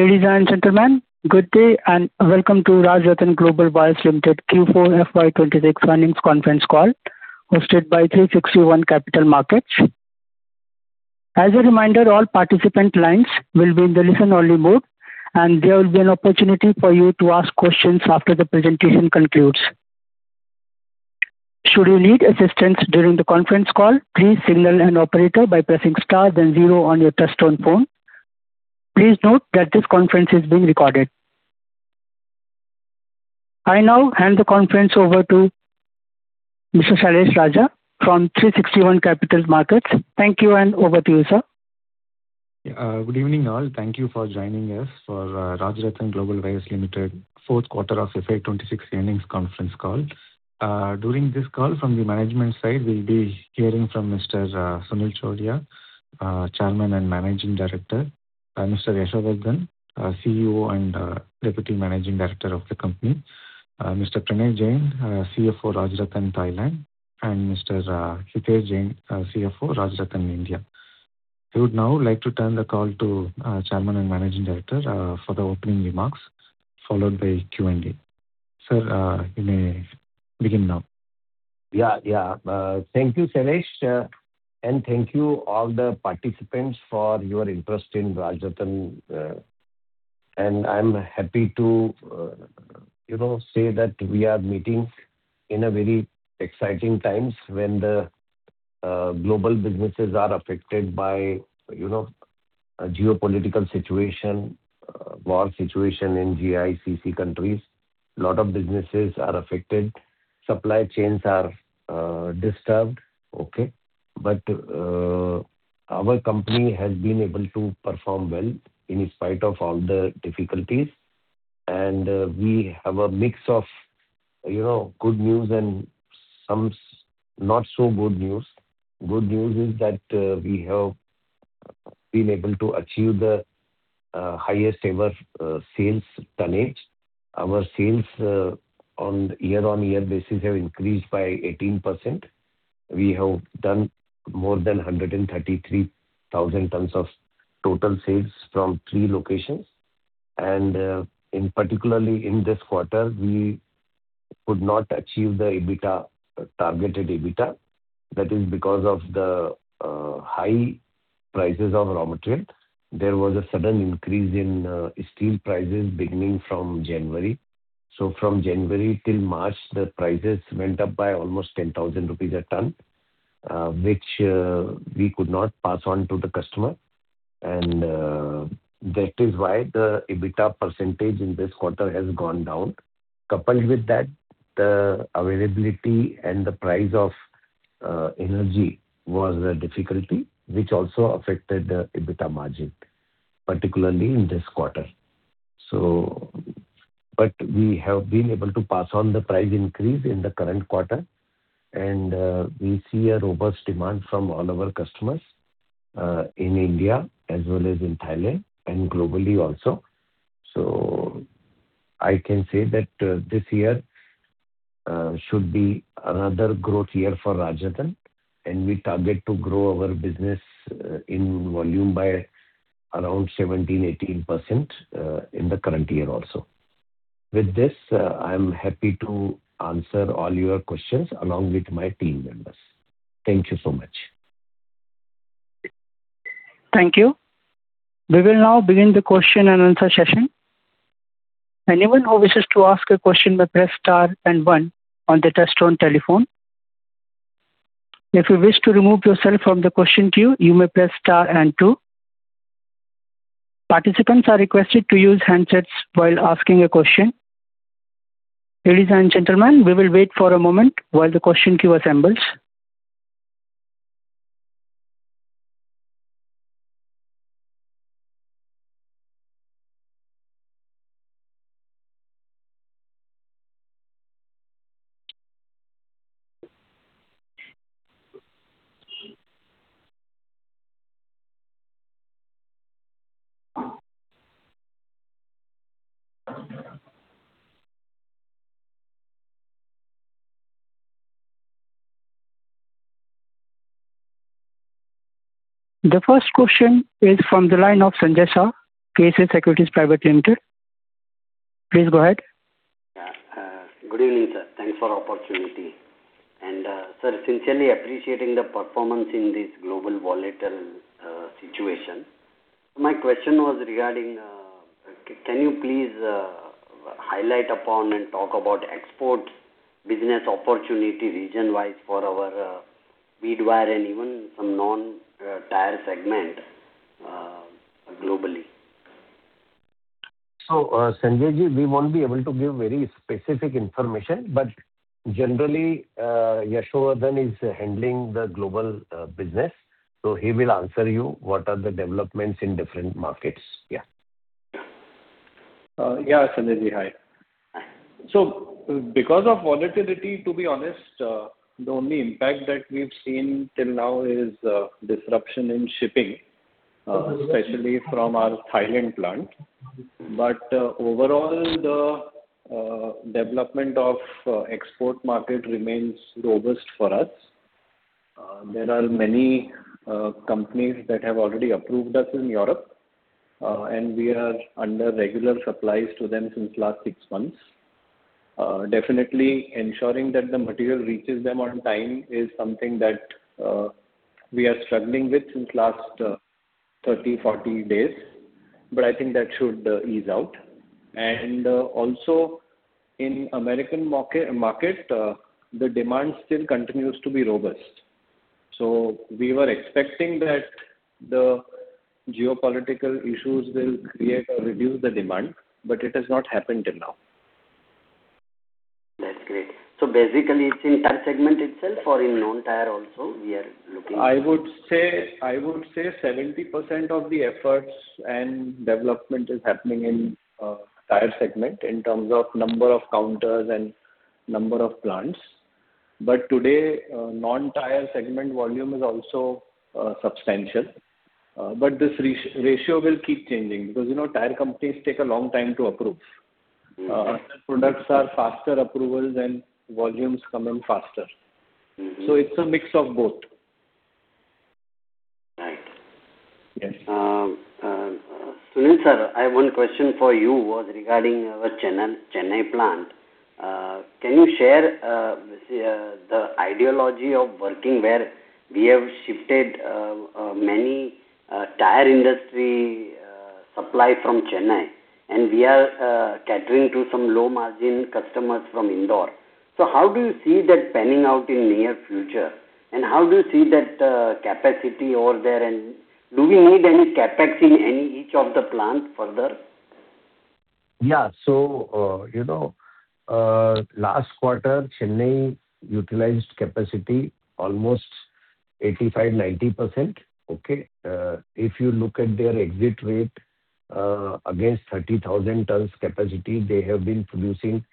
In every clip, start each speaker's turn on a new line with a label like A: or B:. A: Ladies and gentlemen, good day and welcome to Rajratan Global Wire Limited Q4 FY 2026 Earnings Conference Call hosted by 360 ONE Capital Markets. As a reminder, all participant lines will be in the listen-only mode, and there will be an opportunity for you to ask questions after the presentation concludes. Should you need assistance during the conference call, please signal an operator by pressing star then zero on your touchtone phone. Please note that this conference is being recorded. I now hand the conference over to Mr. Suresh Raja from 360 ONE Capital Markets. Thank you, and over to you, sir.
B: Good evening all. Thank you for joining us for Rajratan Global Wire Limited Q4 of FY 2026 earnings conference call. During this call from the management side, we'll be hearing from Mr. Sunil Chordia, Chairman and Managing Director, Mr. Yashovardhan, CEO and Deputy Managing Director of the company, Mr. Pranay Jain, CFO, Rajratan Thailand, and Mr. Hitesh Jain, CFO, Rajratan India. We would now like to turn the call to Chairman and Managing Director for the opening remarks, followed by Q&A. Sir, you may begin now.
C: Yeah. Thank you, Suresh, and thank you all the participants for your interest in Rajratan. I'm happy to say that we are meeting in a very exciting times when the global businesses are affected by geopolitical situation, war situation in GCC countries. A lot of businesses are affected. Supply chains are disturbed. Okay. Our company has been able to perform well in spite of all the difficulties. We have a mix of good news and some not-so-good news. Good news is that we have been able to achieve the highest-ever sales tonnage. Our sales on year-on-year basis have increased by 18%. We have done more than 133,000 tons of total sales from three locations. Particularly in this quarter, we could not achieve the targeted EBITDA. That is because of the high prices of raw material. There was a sudden increase in steel prices beginning from January. From January till March, the prices went up by almost 10,000 rupees a ton, which we could not pass on to the customer. That is why the EBITDA % in this quarter has gone down. Coupled with that, the availability and the price of energy was a difficulty which also affected the EBITDA margin, particularly in this quarter. We have been able to pass on the price increase in the current quarter, and we see a robust demand from all our customers, in India as well as in Thailand, and globally also. I can say that this year should be another growth year for Rajratan, and we target to grow our business in volume by around 17%-18% in the current year also. With this, I'm happy to answer all your questions along with my team members. Thank you so much.
A: Thank you. We will now begin the question and answer session. Anyone who wishes to ask a question may press star and one on the touchtone telephone. If you wish to remove yourself from the question queue, you may press star and two. Participants are requested to use handsets while asking a question. Ladies and gentlemen, we will wait for a moment while the question queue assembles. The first question is from the line of Sanjay Shah, KSS Equities Private Limited. Please go ahead.
D: Good evening, sir. Thanks for the opportunity. Sir, sincerely appreciating the performance in this global volatile situation. My question was regarding, can you please highlight upon and talk about exports business opportunity region-wise for our bead wire and even some non-tire segment globally?
C: Sanjay, we won't be able to give very specific information, but generally, Yashovardhan is handling the global business, so he will answer you what are the developments in different markets. Yeah.
E: Yeah, Sanjay hi. Because of volatility, to be honest, the only impact that we've seen till now is disruption in shipping, especially from our Thailand plant. Overall, the development of export market remains robust for us. There are many companies that have already approved us in Europe, and we are under regular supplies to them since last six months. Definitely ensuring that the material reaches them on time is something that we are struggling with since last 30-40 days, but I think that should ease out. In American market, the demand still continues to be robust. We were expecting that the geopolitical issues will create or reduce the demand, but it has not happened till now.
D: That's great. Basically, it's in tire segment itself or in non-tire also we are looking?
E: I would say 70% of the efforts and development is happening in tire segment in terms of number of counters and number of plants. Today, non-tire segment volume is also substantial. This ratio will keep changing because tire companies take a long time to approve. Other products are faster approval, then volumes come in faster. It's a mix of both.
D: Right. Sunil, sir, I have one question for you was regarding our Chennai plant. Can you share the ideology of working where we have shifted many tire industry supply from Chennai, and we are catering to some low-margin customers from Indore. How do you see that panning out in near future? How do you see that capacity over there, and do we need any CapEx in any each of the plants further?
C: Yeah. Last quarter, Chennai utilized capacity almost 85%-90%. Okay. If you look at their exit rate against 30,000 tons capacity, they have been producing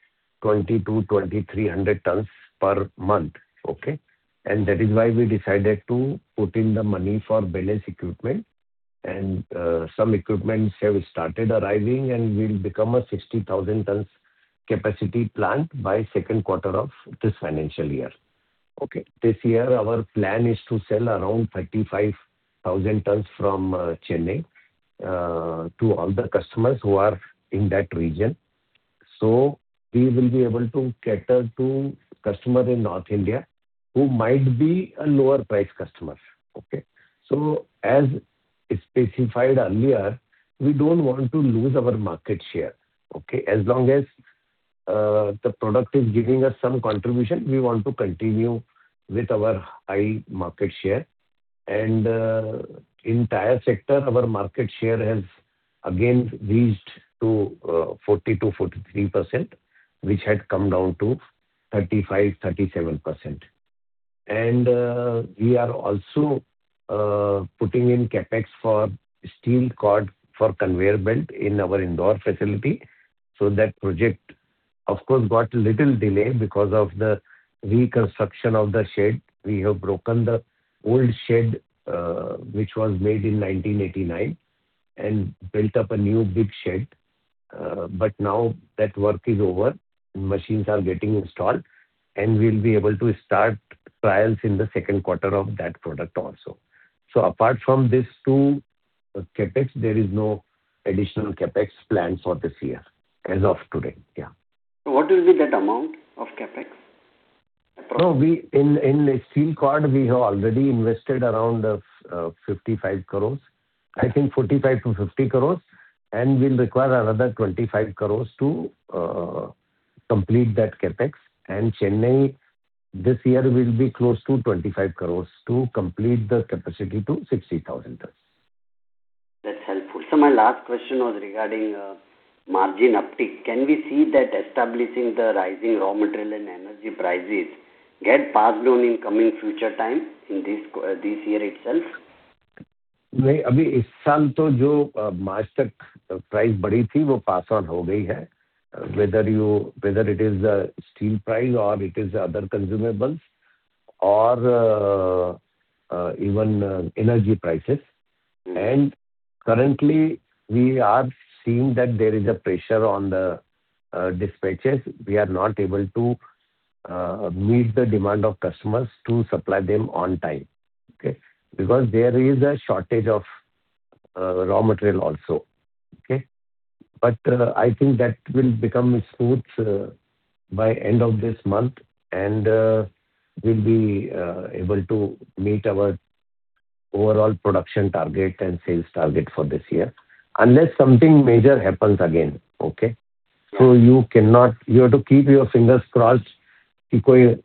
C: 2,200-2,300 tons per month. Okay. That is why we decided to put in the money for balance equipment, and some equipment has started arriving, and we'll become a 60,000 tons capacity plant by second quarter of this financial year. Okay. This year, our plan is to sell around 35,000 tons from Chennai to all the customers who are in that region. We will be able to cater to customer in North India who might be a lower price customer. Okay. As specified earlier, we don't want to lose our market share. Okay. As long as the product is giving us some contribution, we want to continue with our high market share. In tire sector, our market share has again reached to 42%-43%, which had come down to 35%-37%. We are also putting in CapEx for steel cord for conveyor belt in our Indore facility. That project, of course, got a little delay because of the reconstruction of the shed. We have broken the old shed, which was made in 1989, and built up a new big shed. Now that work is over, machines are getting installed, and we'll be able to start trials in the second quarter of that product also. Apart from these two CapEx, there is no additional CapEx plans for this year as of today. Yeah.
D: What will be that amount of CapEx?
C: In steel cord, we have already invested around 55 crore. I think 45-50 crore, and we'll require another 25 crore to complete that CapEx. Chennai this year will be close to 25 crore to complete the capacity to 60,000 tons.
D: That's helpful. My last question was regarding margin uptick. Can we see that establishing the rising raw material and energy prices get passed on in coming future time in this year itself?
C: Whether it is a steel price or it is other consumables or even energy prices. Currently, we are seeing that there is a pressure on the dispatches. We are not able to meet the demand of customers to supply them on time, okay, because there is a shortage of raw material also. Okay. I think that will become smooth by end of this month, and we'll be able to meet our overall production target and sales target for this year, unless something major happens again, okay? You have to keep your fingers crossed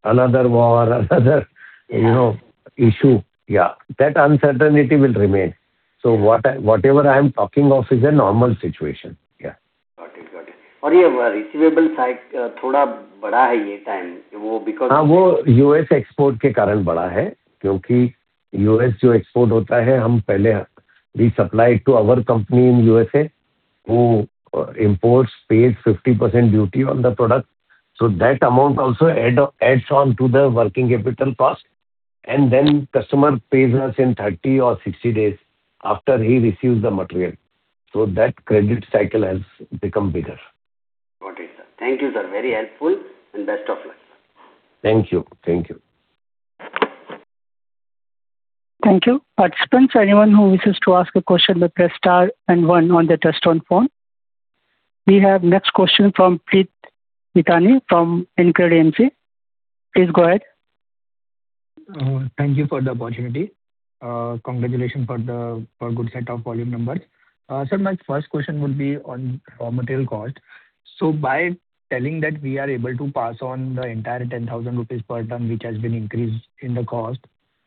C: another war, another issue. Yeah. That uncertainty will remain. Whatever I'm talking of is a normal situation. Yeah.
D: Got it. Got it.
C: We supply to our company in USA, who imports, pays 50% duty on the product. That amount also adds on to the working capital cost. Customer pays us in 30 or 60 days after he receives the material. That credit cycle has become bigger.
D: Thank you, sir. Very helpful, and best of luck.
C: Thank you.
A: Thank you. Participants, anyone who wishes to ask a question may press star and one on the touch-tone phone. We have next question from Preet Pitani from InCred AMC. Please go ahead.
F: Thank you for the opportunity. Congratulations for good set of volume numbers. Sir, my first question would be on raw material cost. By telling that we are able to pass on the entire 10,000 rupees per ton which has been increased in the cost,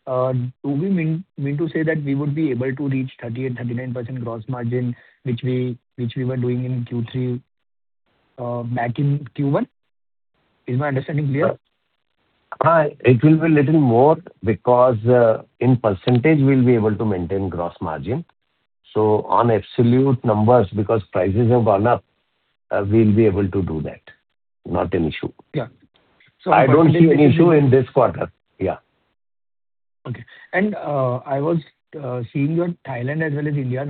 F: do we mean to say that we would be able to reach 38%-39% gross margin, which we were doing in Q3, back in Q1? Is my understanding clear?
C: It will be little more because, in percentage, we'll be able to maintain gross margin. On absolute numbers, because prices have gone up, we'll be able to do that. Not an issue. I don't see an issue in this quarter. Yeah.
F: Okay. I was seeing your Thailand as well as India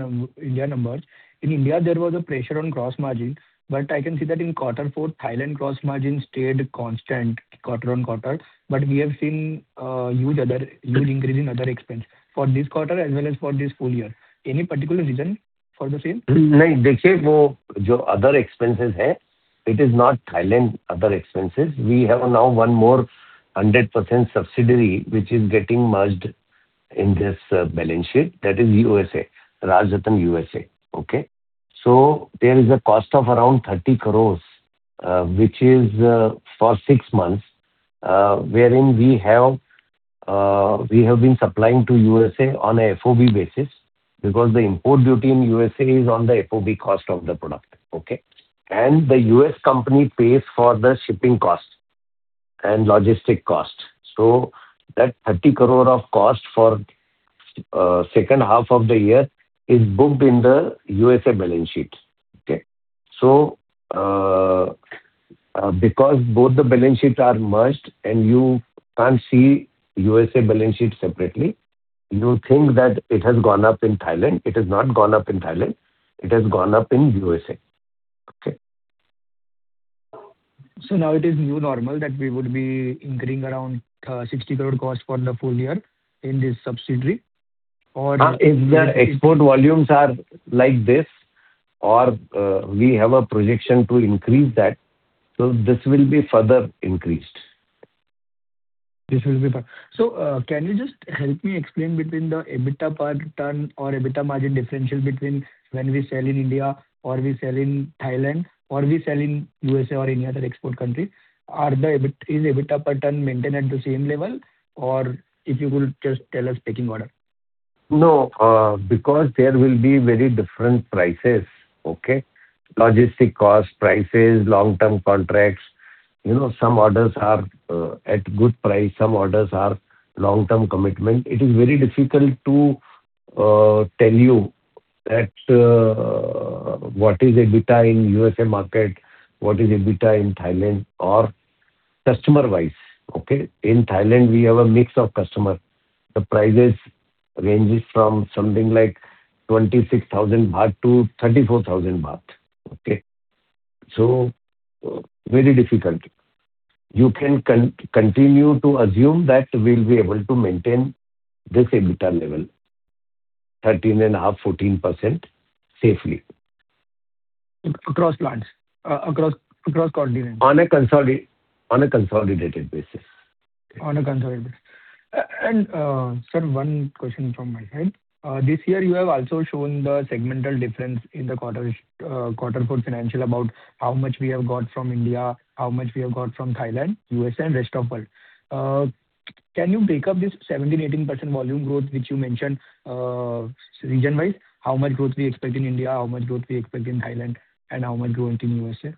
F: numbers. In India, there was a pressure on gross margin, but I can see that in quarter four, Thailand gross margin stayed constant quarter on quarter. We have seen a huge increase in other expense for this quarter as well as for this full year. Any particular reason for the same?
C: No. The other expenses, it is not Thailand other expenses. We have now one more 100% subsidiary which is getting merged in this balance sheet. That is USA, Rajratan USA. Okay? There is a cost of around 30 crore, which is for six months, wherein we have been supplying to USA on a FOB basis because the import duty in USA is on the FOB cost of the product. Okay? The U.S. company pays for the shipping cost and logistic cost. That 30 crore of cost for second half of the year is booked in the USA balance sheets. Okay? Because both the balance sheets are merged and you can't see USA balance sheet separately, you think that it has gone up in Thailand. It has not gone up in Thailand. It has gone up in USA. Okay?
F: Now it is new normal that we would be incurring around 60 crore cost for the full year in this subsidiary.
C: If the export volumes are like this or we have a projection to increase that. This will be further increased.
F: Can you just help me explain between the EBITDA per ton or EBITDA margin differential between when we sell in India or we sell in Thailand, or we sell in U.S. or any other export country? Is EBITDA per ton maintained at the same level? Or if you could just tell us pecking order.
C: No, because there will be very different prices. Okay? Logistic cost, prices, long-term contracts. Some orders are at good price, some orders are long-term commitment. It is very difficult to tell you that what is EBITDA in USA market, what is EBITDA in Thailand or customer-wise, okay? In Thailand, we have a mix of customers. The prices ranges from something like 26,000-34,000 baht. Okay? Very difficult. You can continue to assume that we'll be able to maintain this EBITDA level, 13.5%-14% safely.
F: Across plants, across continents.
C: On a consolidated basis.
F: On a consolidated basis. Sir, one question from my side. This year you have also shown the segmental difference in the quarter four financial about how much we have got from India, how much we have got from Thailand, USA, and rest of world. Can you break up this 17%-18% volume growth, which you mentioned, region-wise? How much growth we expect in India, how much growth we expect in Thailand, and how much growth in USA?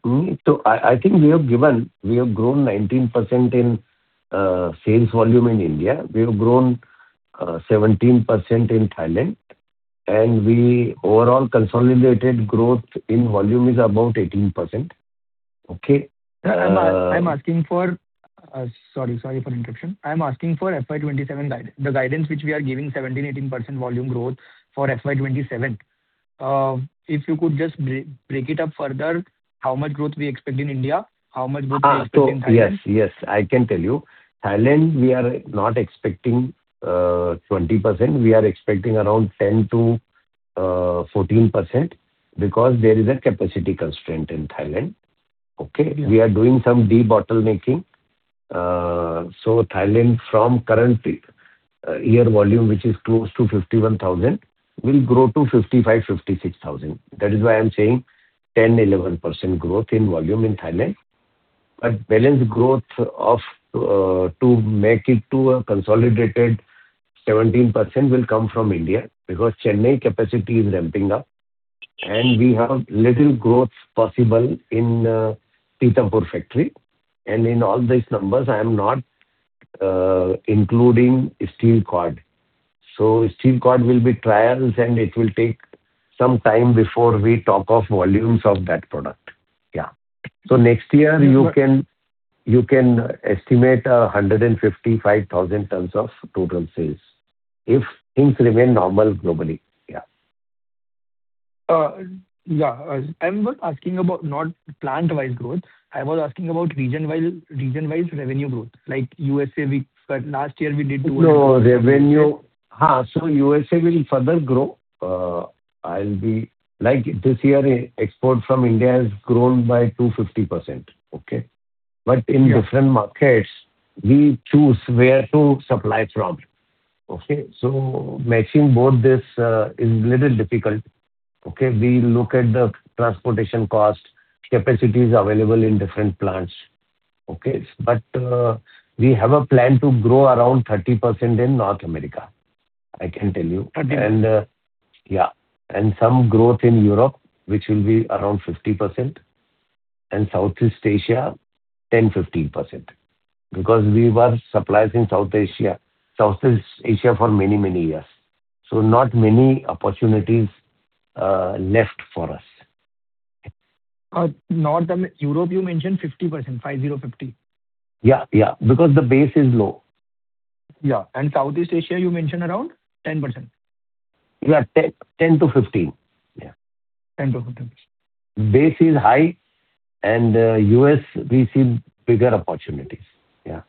C: I think we have given. We have grown 19% in sales volume in India. We have grown 17% in Thailand. Our overall consolidated growth in volume is about 18%. Okay?
F: Sorry for interruption. I'm asking for FY 2027 guide. The guidance which we are giving 17%-18% volume growth for FY 2027. If you could just break it up further, how much growth we expect in India, how much growth we expect in Thailand.
C: Yes. I can tell you. Thailand, we are not expecting 20%. We are expecting around 10%-14% because there is a capacity constraint in Thailand. Okay? We are doing some debottlenecking. Thailand from current year volume, which is close to 51,000, will grow to 55,000, 56,000. That is why I'm saying 10%-11% growth in volume in Thailand. Balance growth to make it to a consolidated 17% will come from India because Chennai capacity is ramping up, and we have little growth possible in Pithampur factory. In all these numbers, I am not including steel cord. Steel cord will be trials, and it will take some time before we talk of volumes of that product. Yeah. Next year you can estimate 155,000 tons of total sales if things remain normal globally. Yeah.
F: Yeah. I'm not asking about plant-wise growth. I was asking about region-wise revenue growth, like U.S., last year we did.
C: No, revenue. USA will further grow. This year, export from India has grown by 250%. Okay? In different markets, we choose where to supply from. Okay? Matching both this is little difficult. Okay? We look at the transportation cost, capacities available in different plants. Okay? We have a plan to grow around 30% in North America, I can tell you. Yeah. Some growth in Europe, which will be around 50%, and Southeast Asia, 10%-15%. Because we were supplying in Southeast Asia for many, many years. Not many opportunities left for us.
F: Europe, you mentioned 50%. 50.
C: Yeah. Because the base is low.
F: Yeah. Southeast Asia, you mentioned around 10%.
C: Yeah, 10%-15%. Yeah.
F: 10%-15%.
C: Base is high, and U.S. we see bigger opportunities. Yeah.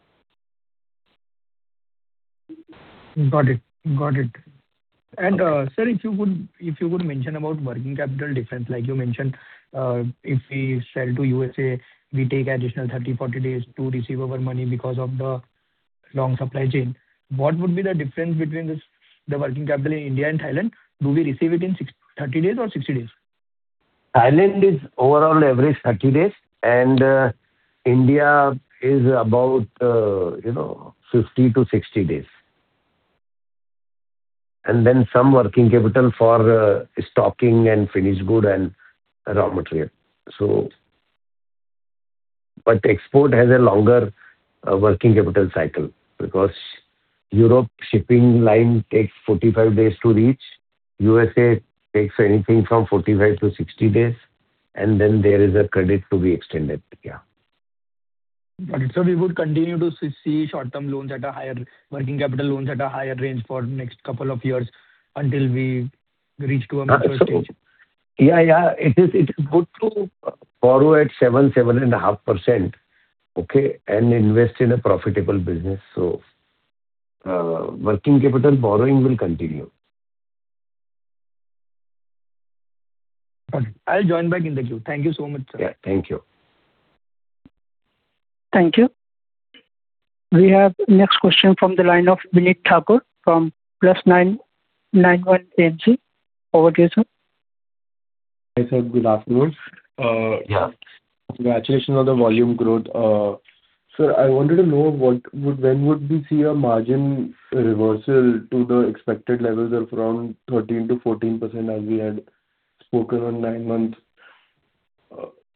F: Got it. Sir, if you would mention about working capital difference, like you mentioned, if we sell to USA, we take additional 30, 40 days to receive our money because of the long supply chain. What would be the difference between the working capital in India and Thailand? Do we receive it in 30 days or 60 days?
C: Thailand is overall average 30 days, and India is about 50-60 days. Some working capital for stocking and finished goods and raw materials. Export has a longer working capital cycle because European shipping line takes 45 days to reach, U.S. takes anything from 45-60 days, and then there is a credit to be extended. Yeah.
F: Got it. We would continue to see working capital loans at a higher range for next couple of years until we reach to a mature stage.
C: Yeah. It is good to borrow at 7%-7.5%, okay, and invest in a profitable business. Working capital borrowing will continue.
F: Got it. I'll join back in the queue. Thank you so much, sir.
C: Yeah. Thank you.
A: Thank you. We have next question from the line of Vineet Thakur from Plus91 AMC. Over to you, sir.
G: Hi, sir. Good afternoon. Congratulations on the volume growth. Sir, I wanted to know when would we see a margin reversal to the expected levels of around 13%-14%, as we had spoken on nine months?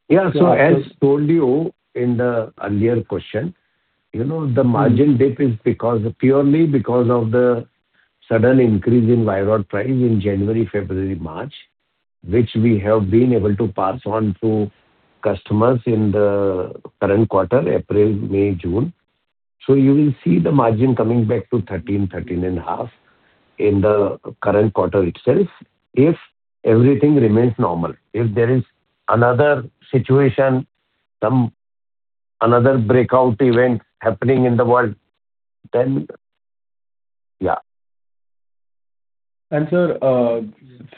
C: Yeah. As told you in the earlier question, the margin dip is purely because of the sudden increase in wire rod price in January, February, March, which we have been able to pass on to customers in the current quarter, April, May, June. You will see the margin coming back to 13%-13.5% in the current quarter itself, if everything remains normal. If there is another situation, another breakout event happening in the world, then. Yeah.
G: Sir,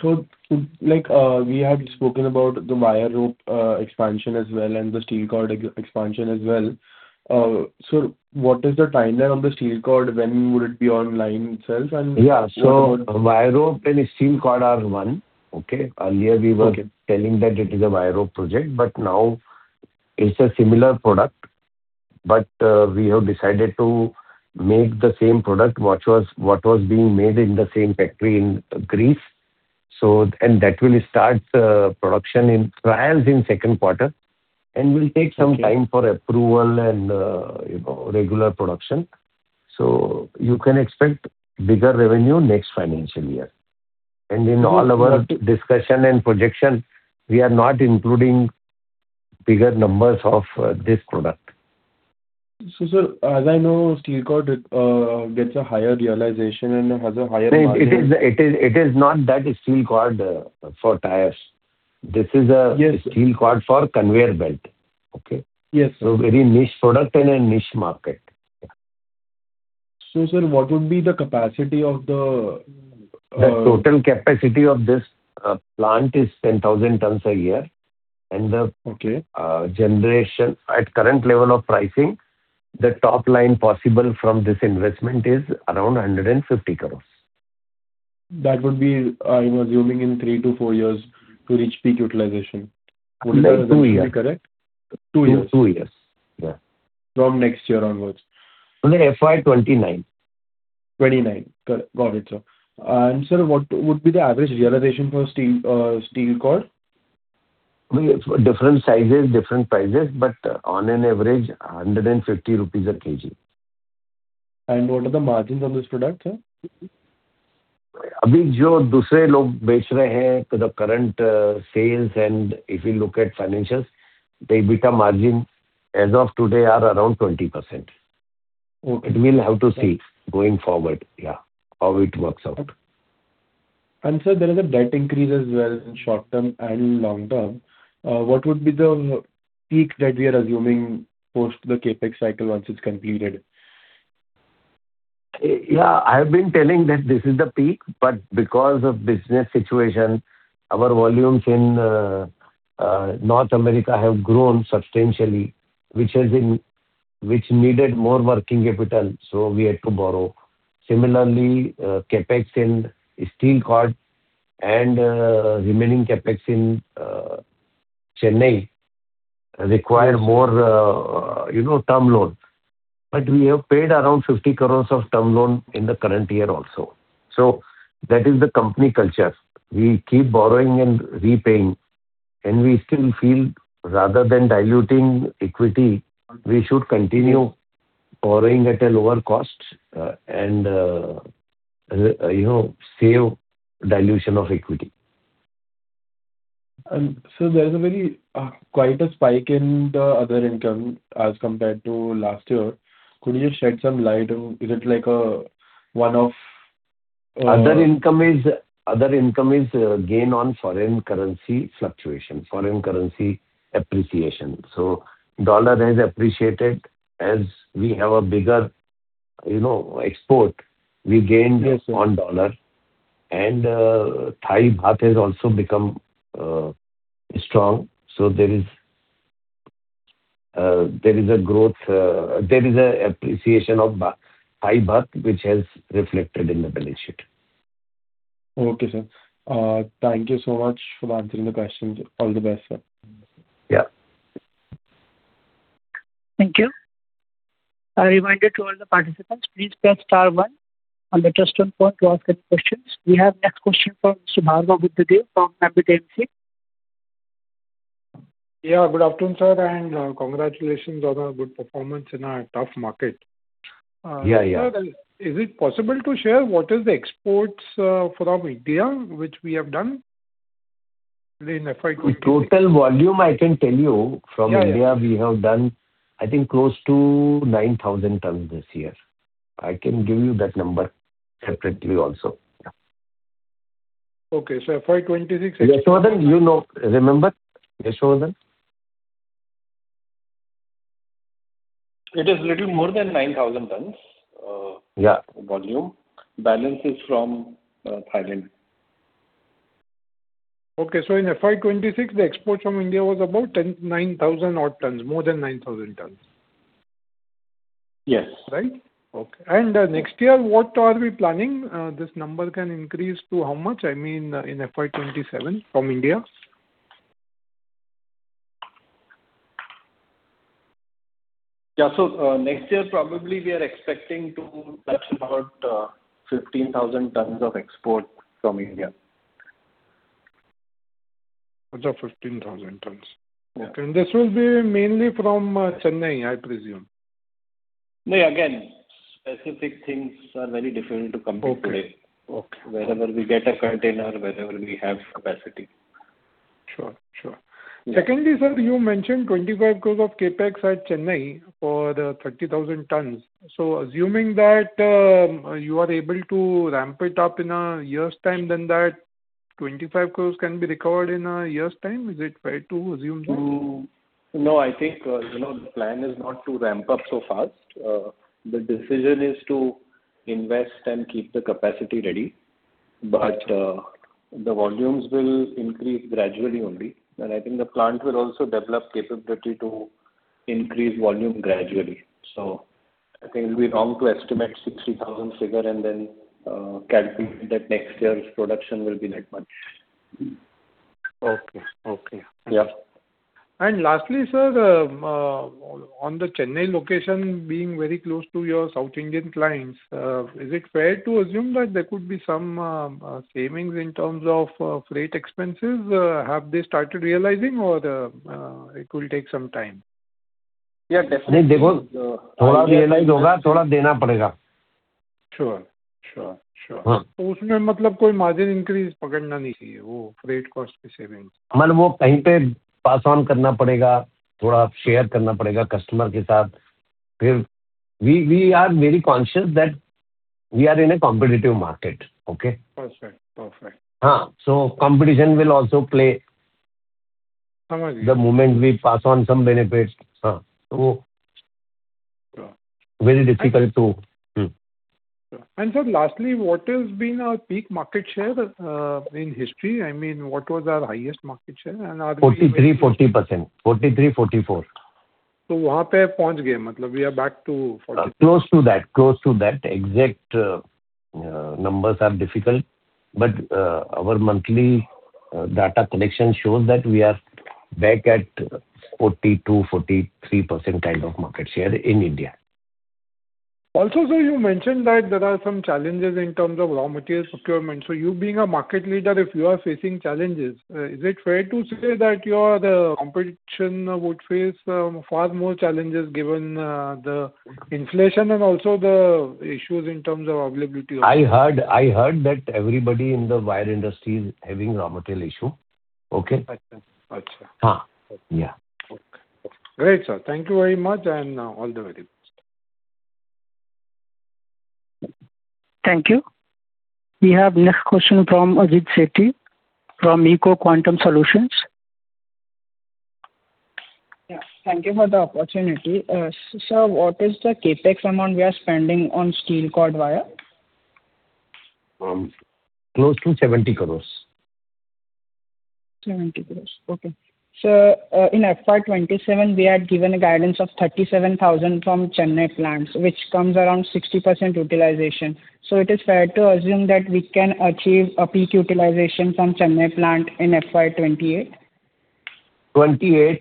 G: we had spoken about the wire rope expansion as well and the steel cord expansion as well. Sir, what is the timeline on the steel cord? When would it be online itself?
C: Yeah. Wire rope and steel cord are one. Okay? Earlier we were telling that it is a wire rope project, but now it's a similar product. We have decided to make the same product what was being made in the same factory in Greece. That will start production in trials in second quarter, and will take some time for approval and regular production. You can expect bigger revenue next financial year. In all our discussion and projection, we are not including bigger numbers of this product.
G: Sir, as I know, steel cord gets a higher realization and has a higher margin.
C: No, it is not that steel cord for tires. This is a steel cord for conveyor belt. Okay?
G: Yes.
C: Very niche product and a niche market.
G: Sir, what would be the capacity of the?
C: The total capacity of this plant is 10,000 tons a year. The generation, at current level of pricing, the top line possible from this investment is around 150 crore.
G: That would be. I'm assuming in three-four years to reach peak utilization. Would that be correct?
C: No, two years.
G: Two years.
C: Two years. Yeah.
G: From next year onward.
C: No, FY 2029.
G: Got it, sir. Sir, what would be the average realization for steel cord?
C: Different sizes, different prices, but on an average, 150 rupees a kg.
G: What is the margin on this product, sir?
C: The current sales, and if you look at financials, the EBITDA margin as of today are around 20%. We'll have to see going forward how it works out.
G: Sir, there is a debt increase as well in short term and long term. What would be the peak that we are assuming post the CapEx cycle once it's completed?
C: I've been telling that this is the peak, but because of business situation, our volumes in North America have grown substantially, which needed more working capital, so we had to borrow. Similarly, CapEx in steel cord and remaining CapEx in Chennai required more term loans. We have paid around 50 crore of term loan in the current year also. That is the company culture. We keep borrowing and repaying, and we still feel, rather than diluting equity, we should continue borrowing at a lower cost and save dilution of equity.
G: There is quite a spike in the other income as compared to last year. Could you shed some light? Is it like one off?
C: Other income is gain on foreign currency fluctuation, foreign currency appreciation. Dollar has appreciated. As we have a bigger export, we gained on dollar and Thai baht has also become strong, so there is an appreciation of Thai baht, which has reflected in the balance sheet.
G: Okay, sir. Thank you so much for answering the questions. All the best, sir.
C: Yeah.
A: Thank you. A reminder to all the participants. Please press star one on the touch-tone phone to ask any questions. We have the next question from Subhaga Buddhadev from [Capital C].
H: Good afternoon, sir, and congratulations on a good performance in a tough market. Is it possible to share what is the exports from India, which we have done in FY 2026?
C: Total volume, I can tell you. From India, we have done, I think, close to 9,000 tons this year. I can give you that number separately also.
H: Okay. FY 2026.
C: Yashovardhan, you know. Remember, Yashovardhan?
E: It is a little more than 9,000 tons volume. Balance is from Thailand.
H: Okay. In FY 2026, the export from India was about 9,000 odd tons, more than 9,000 tons.
C: Yes.
H: Right? Okay. Next year, what are we planning? This number can increase to how much in FY 2027 from India?
E: Next year, probably we are expecting to touch about 15,000 tons of export from India.
H: 15,000 tons. Okay. This will be mainly from Chennai, I presume.
E: No, again, specific things are very difficult to comment today. Wherever we get a container, wherever we have capacity.
H: Sure. Secondly, sir, you mentioned 25 crore of CapEx at Chennai for 30,000 tons. Assuming that you are able to ramp it up in a year's time, then that 25 crore can be recovered in a year's time. Is it fair to assume so?
E: No, I think, the plan is not to ramp up so fast. The decision is to invest and keep the capacity ready. The volumes will increase gradually only. I think the plant will also develop capability to increase volume gradually. I think it'll be wrong to estimate 60,000 figure and then calculate that next year's production will be that much.
H: Okay. Lastly, sir, on the Chennai location being very close to your South Indian clients, is it fair to assume that there could be some savings in terms of freight expenses? Have they started realizing or it will take some time?
E: Yeah, definitely.
H: Sure.
C: We are very conscious that we are in a competitive market. Okay.
H: Perfect.
C: Competition will also play. The moment we pass on some benefits. Very difficult to.
H: Sir, lastly, what has been our peak market share in history? What was our highest market share and?
C: 43%, 40%. 43%, 44%.
H: We are back to 40%.
C: Close to that. Exact numbers are difficult, but our monthly data collection shows that we are back at 42%-43% kind of market share in India.
H: Also, sir, you mentioned that there are some challenges in terms of raw material procurement. You being a market leader, if you are facing challenges, is it fair to say that your competition would face far more challenges given the inflation and also the issues in terms of availability of?
C: I heard that everybody in the wire industry is having raw material issue. Okay.
H: Okay. Great, sir. Thank you very much, and all the very best.
A: Thank you. We have next question from Ajit Sethi from Eiko Quantum Solutions.
I: Yeah. Thank you for the opportunity. Sir, what is the CapEx amount we are spending on steel cord wire?
C: Close to INR 70 crore.
I: INR 70 crore. Okay. Sir, in FY 2027, we had given a guidance of 37,000 from Chennai plants, which comes around 60% utilization. It is fair to assume that we can achieve a peak utilization from Chennai plant in FY 2028?
C: FY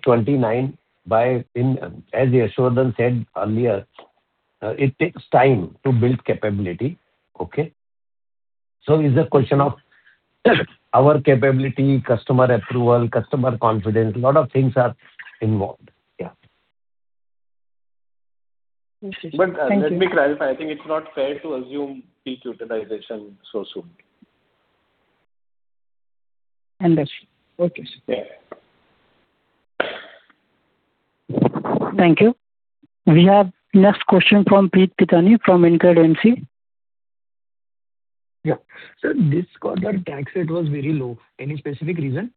C: 2028, FY 2029. As Yashovardhan said earlier, it takes time to build capability. Okay? It's a question of our capability, customer approval, customer confidence. A lot of things are involved. Yeah.
I: Understood. Thank you.
E: Let me clarify, I think it's not fair to assume peak utilization so soon.
I: Understood. Okay, sir.
E: Yeah, yeah.
A: Thank you. We have next question from Preet Pitani from InCred AMC.
F: Yeah. Sir, this quarter tax rate was very low. Any specific reason?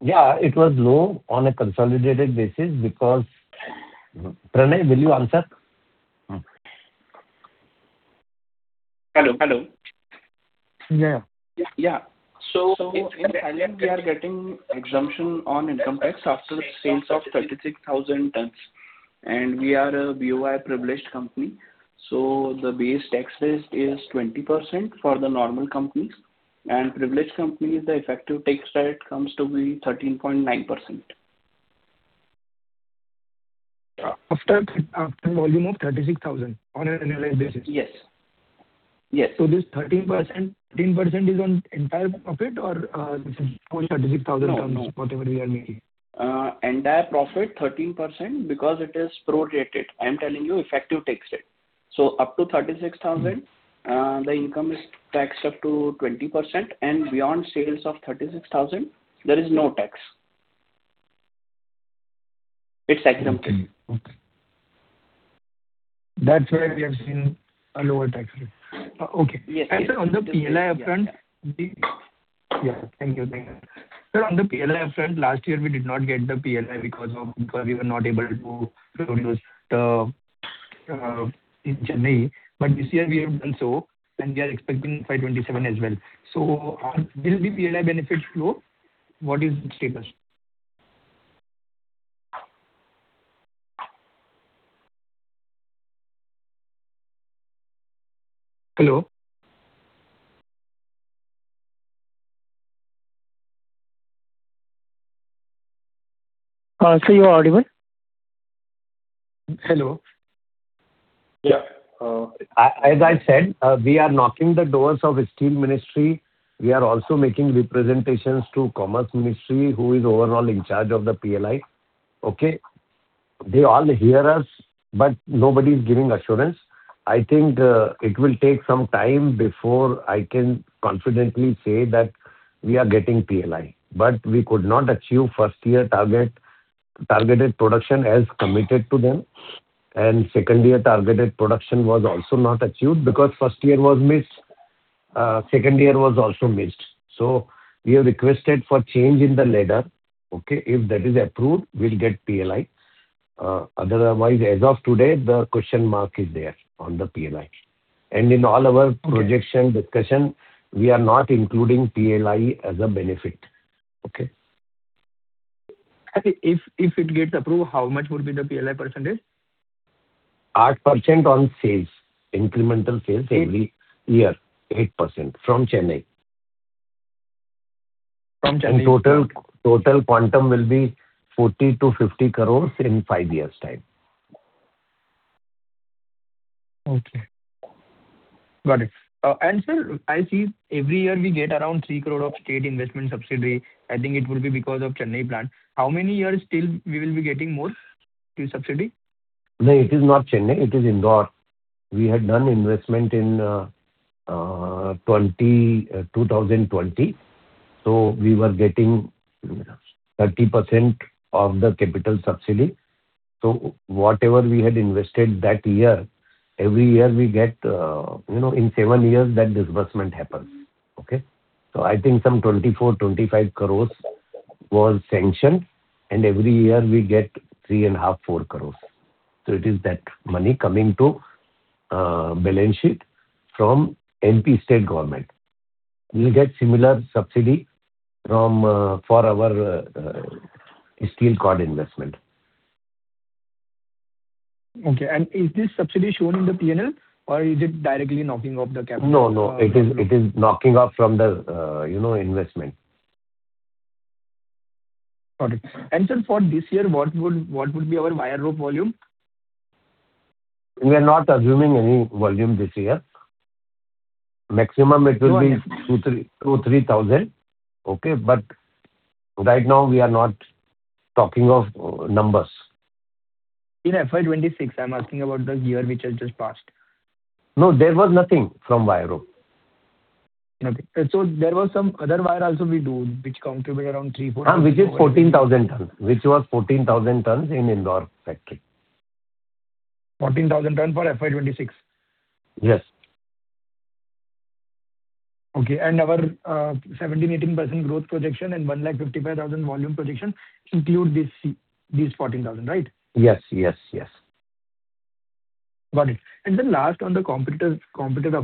C: Yeah. It was low on a consolidated basis because Pranay, will you answer?
J: Hello?
F: Yeah.
J: Yeah. In Thailand, we are getting exemption on income tax after sales of 36,000 tons, and we are a BOI privileged company. The base tax rate is 20% for the normal companies, and privileged companies, the effective tax rate comes to be 13.9%.
F: After volume of 36,000 on an annual basis?
J: Yes.
F: This 13% is on entire profit or this is for 36,000 tons?
J: No.
F: Whatever we are making?
J: Entire profit 13% because it is prorated. I'm telling you effective tax rate. Up to 36,000, the income is taxed up to 20%, and beyond sales of 36,000, there is no tax. It's exempted.
F: Okay. That's why we have seen a lower tax rate. Okay. Sir, on the PLI upfront, last year we did not get the PLI because we were not able to produce in Chennai. This year we have done so, and we are expecting FY 2027 as well. Will the PLI benefit flow? What is the status? Hello?
A: Sir, you are audible.
C: Hello.
F: Yeah.
C: As I said, we are knocking the doors of Ministry of Steel. We are also making representations to Ministry of Commerce and Industry, who is overall in charge of the PLI. Okay? They all hear us, but nobody's giving assurance. I think it will take some time before I can confidently say that we are getting PLI. We could not achieve first year targeted production as committed to them, and second year targeted production was also not achieved. Because first year was missed, second year was also missed. We have requested for change in the ladder. If that is approved, we'll get PLI. Otherwise, as of today, the question mark is there on the PLI. In all our projection discussion, we are not including PLI as a benefit. Okay?
F: If it gets approved, how much would be the PLI percentage?
C: 8% on sales, incremental sales every year. 8% from Chennai.
F: From Chennai.
C: Total quantum will be 40 crore-50 crore in five years' time.
F: Okay. Got it. Sir, I see every year we get around 3 crore of state investment subsidy. I think it would be because of Chennai plant. How many years still we will be getting more state subsidy?
C: No, it is not Chennai, it is Indore. We had done investment in 2020. We were getting 30% of the capital subsidy. Whatever we had invested that year, every year we get, in seven years, that disbursement happens. Okay? I think some 24 crore-25 crore was sanctioned, and every year we get 3.5 crore-4 crore. It is that money coming to balance sheet from MP state government. We'll get similar subsidy for our steel cord investment.
F: Okay. Is this subsidy shown in the P&L, or is it directly knocking off the capital?
C: No, it is knocking off from the investment.
F: Got it. Sir, for this year, what would be our wire rope volume?
C: We are not assuming any volume this year. Maximum it will be 2,000-3,000. Okay? Right now we are not talking of numbers.
F: In FY 2026, I'm asking about the year which has just passed.
C: No, there was nothing from wire rope.
F: Nothing. There was some other wire also we do, which contribute around 3, 4.
C: Which is 14,000 tons. Which was 14,000 tons in Indore factory.
F: 14,000 tons for FY 2026?
C: Yes.
F: Okay. Our 17%-18% growth projection and 155,000 volume projection include these 14,000, right?
C: Yes.
F: Got it. Then last on the competitor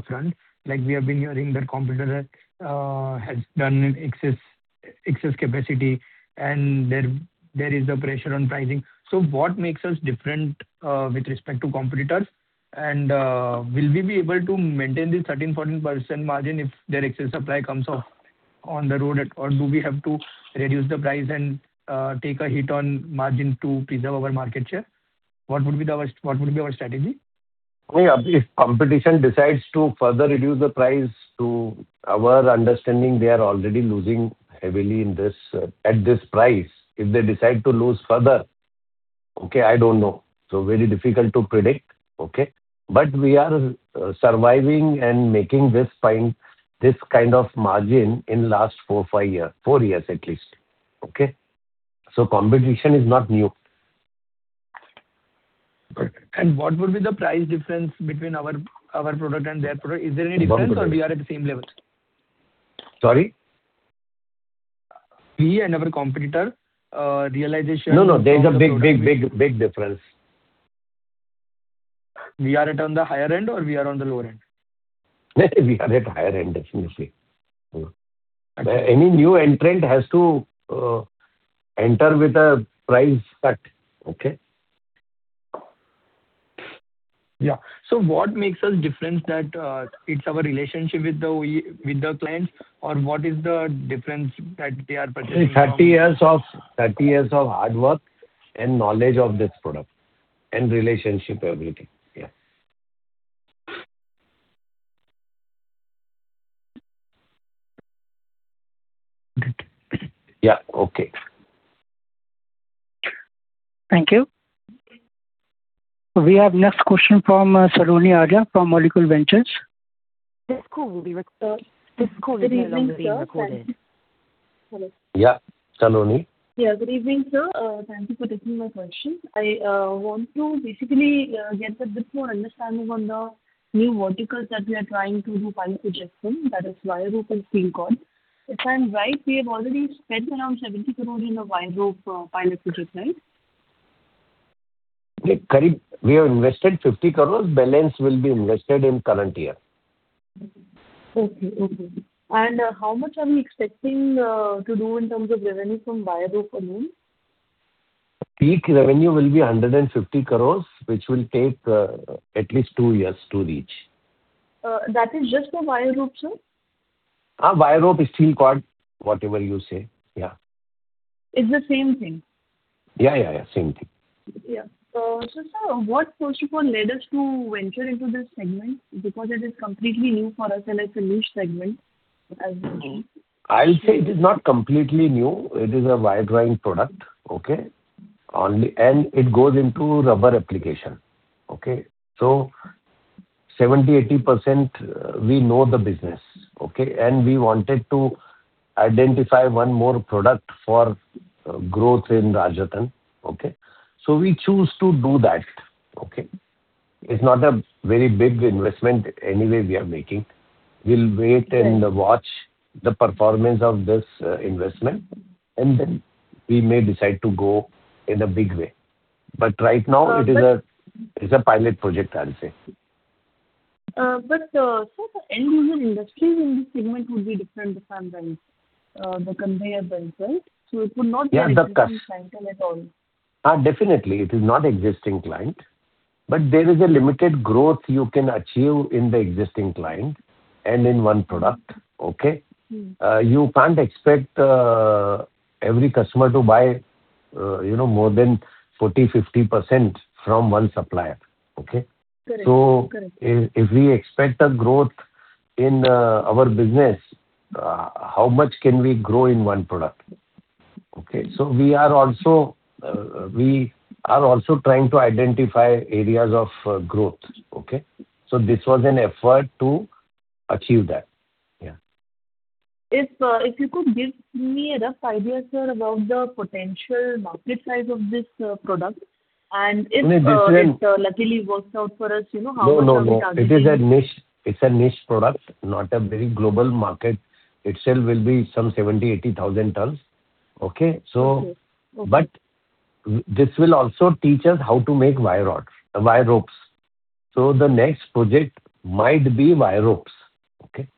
F: front, we have been hearing that competitor has done excess capacity and there is a pressure on pricing. What makes us different with respect to competitors? Will we be able to maintain this 13%-14% margin if their excess supply comes off on the road? Do we have to reduce the price and take a hit on margin to preserve our market share? What would be our strategy?
C: If competition decides to further reduce the price to our understanding, they are already losing heavily at this price. If they decide to lose further, okay, I don't know. Very difficult to predict. Okay. We are surviving and making this kind of margin in last four, five year, four years at least. Okay? Competition is not new.
F: Correct. What would be the price difference between our product and their product? Is there any difference or we are at the same level?
C: Sorry?
F: We and our competitor, realization
C: No, there's a big difference.
F: We are at the higher end or we are on the lower end?
C: We are at higher end, definitely. Any new entrant has to enter with a price cut. Okay?
F: Yeah. What makes us different that it's our relationship with the clients, or what is the difference that they are purchasing from?
C: 30 years of hard work and knowledge of this product, and relationship, everything. Yeah. Yeah. Okay.
F: Thank you.
A: We have next question from Saloni Arya from Molecule Ventures.
K: Good evening, sir.
C: Yeah, Saloni.
K: Yeah. Good evening, sir. Thank you for taking my question. I want to basically get a bit more understanding on the new verticals that we are trying to do pilot project in, that is wire rope and steel cord. If I'm right, we have already spent around 70 crore in a wire rope pilot project, right?
C: We have invested 50 crore, balance will be invested in current year.
K: Okay. How much are we expecting to do in terms of revenue from wire rope alone?
C: Peak revenue will be 150 crore, which will take at least two years to reach.
K: That is just for wire rope, sir?
C: Wire rope, steel cord, whatever you say, yeah.
K: It's the same thing.
C: Yeah. Same thing.
K: Yeah. Sir, what first of all led us to venture into this segment because it is completely new for us and it's a niche segment as we know?
C: I'll say it is not completely new. It is a wire drawing product, okay? It goes into rubber application. Okay? 70%-80% we know the business, okay? We wanted to identify one more product for growth in Rajratan. Okay? We choose to do that. Okay? It's not a very big investment anyway, we are making. We'll wait and watch the performance of this investment, and then we may decide to go in a big way. Right now it's a pilot project, I'll say.
K: Sir, the end user industries in this segment would be different to our belts, the conveyor belts, right? It would not be an existing client at all.
C: Definitely, it is not existing client. There is a limited growth you can achieve in the existing client and in one product, okay? You can't expect every customer to buy more than 40%-50% from one supplier. Okay?
K: Correct.
C: If we expect a growth in our business, how much can we grow in one product? Okay, we are also trying to identify areas of growth, okay? This was an effort to achieve that. Yeah.
K: If you could give me a rough idea, sir, about the potential market size of this product? This luckily works out for us, how much are we targeting?
C: No. It is a niche product, not a very global market. Itself will be some 70,000, 80,000 tons. Okay? This will also teach us how to make wire ropes. The next project might be wire ropes, okay?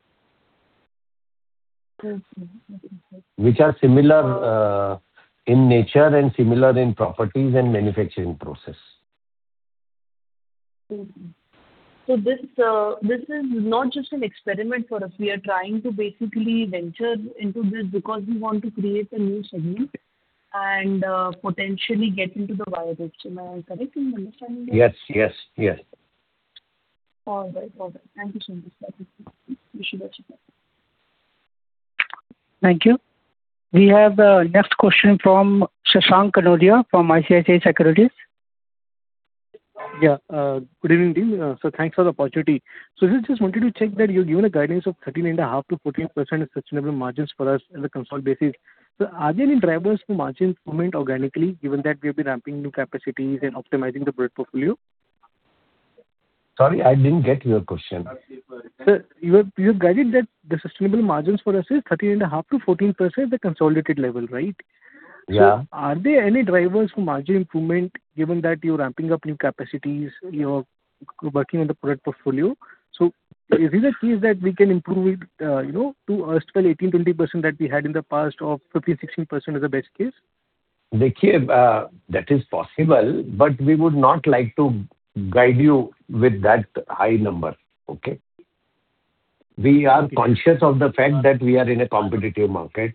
C: Which are similar in nature and similar in properties and manufacturing process.
K: This is not just an experiment for us. We are trying to basically venture into this because we want to create a new segment and potentially get into the wire ropes. Am I correct in understanding that?
C: Yes.
K: All right. Thank you so much, sir. Wish you the best.
A: Thank you. We have the next question from Shashank Kanodia from ICICI Securities.
L: Yeah. Good evening. Sir, thanks for the opportunity. I just wanted to check that you've given a guidance of 13.5%-14% sustainable margins for us on a constant basis. Are there any drivers for margin improvement organically, given that we'll be ramping new capacities and optimizing the product portfolio?
C: Sorry, I didn't get your question.
L: Sir, you have guided that the sustainable margins for us is 13.5%-14% at the consolidated level, right?
C: Yeah.
L: Are there any drivers for margin improvement given that you're ramping up new capacities, you're working on the product portfolio. Is it a case that we can improve it to 18%, 20% that we had in the past or 15, 16% is the best case?
C: That is possible, but we would not like to guide you with that high number. Okay? We are conscious of the fact that we are in a competitive market.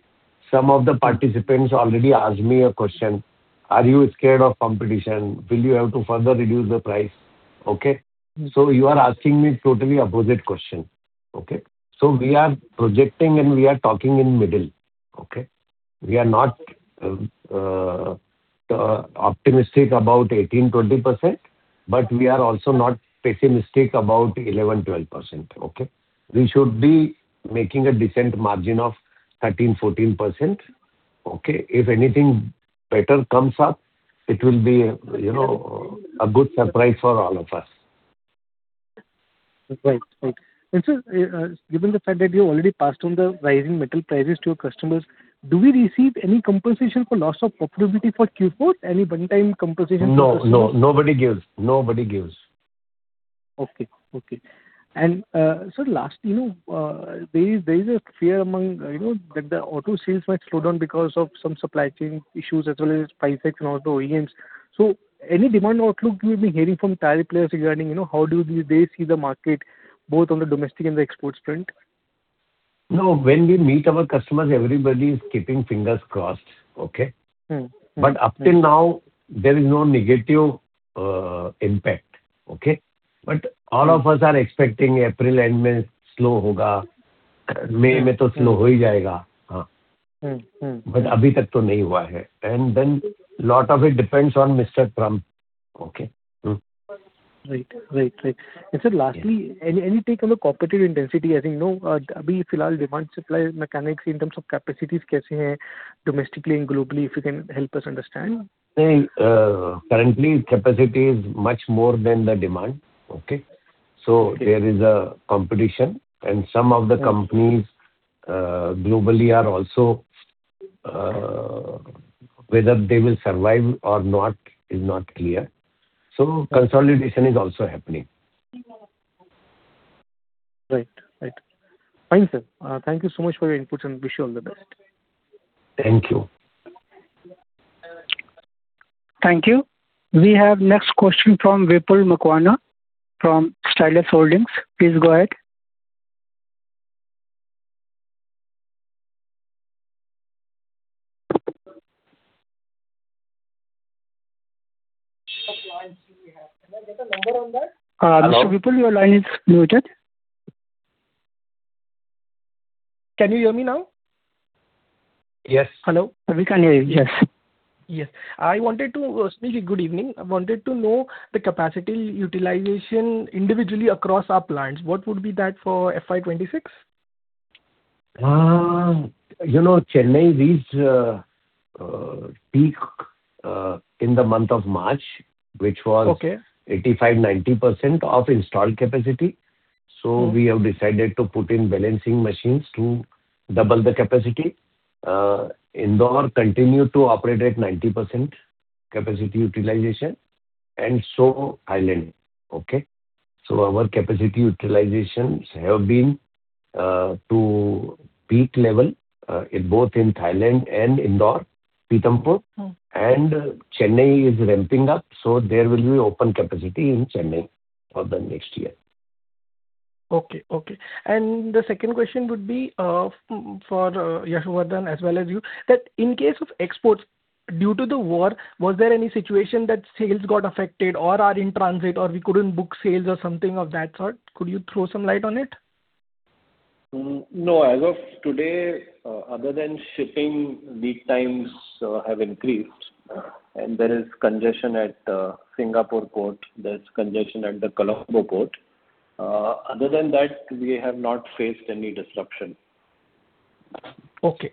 C: Some of the participants already asked me a question: Are you scared of competition? Will you have to further reduce the price? Okay? You are asking me totally opposite question. Okay? We are projecting and we are talking in middle. Okay? We are not optimistic about 18%-20%, but we are also not pessimistic about 11%-12%. Okay? We should be making a decent margin of 13%-14%. Okay? If anything better comes up, it will be a good surprise for all of us.
L: Right. Sir, given the fact that you already passed on the rising metal prices to your customers, do we receive any compensation for loss of profitability for Q4, any one-time compensation for?
C: No. Nobody gives.
L: Okay. Sir, last, there is a fear among that the auto sales might slow down because of some supply chain issues as well as price and also OEMs. Any demand outlook you'll be hearing from tire players regarding how do they see the market, both on the domestic and the export front?
C: No. When we meet our customers, everybody is keeping fingers crossed. Okay? Up till now, there is no negative impact. Okay? All of us are expecting April end will be slow. In May it will be slow. It hasn't happened yet. Then lot of it depends on Mr. Trump. Okay?
L: Right. Sir, lastly, any take on the competitive intensity, as in, currently demand supply mechanics in terms of capacities, how are they domestically and globally, if you can help us understand?
C: Currently, capacity is much more than the demand. Okay? There is a competition and some of the companies globally are also, whether they will survive or not is not clear. Consolidation is also happening.
L: Right. Fine, sir. Thank you so much for your inputs and wish you all the best.
C: Thank you.
A: Thank you. We have next question from Vipul Makwana from Stylus Holdings. Please go ahead.
M: Can I get a number on that?
A: Mr. Vipul, your line is muted.
M: Can you hear me now?
C: Yes.
M: Hello?
A: We can hear you, yes.
M: Yes. Good evening. I wanted to know the capacity utilization individually across our plants. What would be that for FY 2026?
C: Chennai reached peak in the month of March, which was 85%, 90% of installed capacity. We have decided to put in balancing machines to double the capacity. Indore continued to operate at 90% capacity utilization and so Thailand. Okay? Our capacity utilizations have been to peak level, both in Thailand and Indore, Pithampur. Chennai is ramping up, so there will be open capacity in Chennai for the next year.
M: Okay. The second question would be for Yashovardhan as well as you, that in case of exports, due to the war, was there any situation that sales got affected or are in transit or we couldn't book sales or something of that sort? Could you throw some light on it?
E: No. As of today, other than shipping lead times have increased, and there is congestion at Singapore port, there's congestion at the Colombo port. Other than that, we have not faced any disruption.
M: Okay.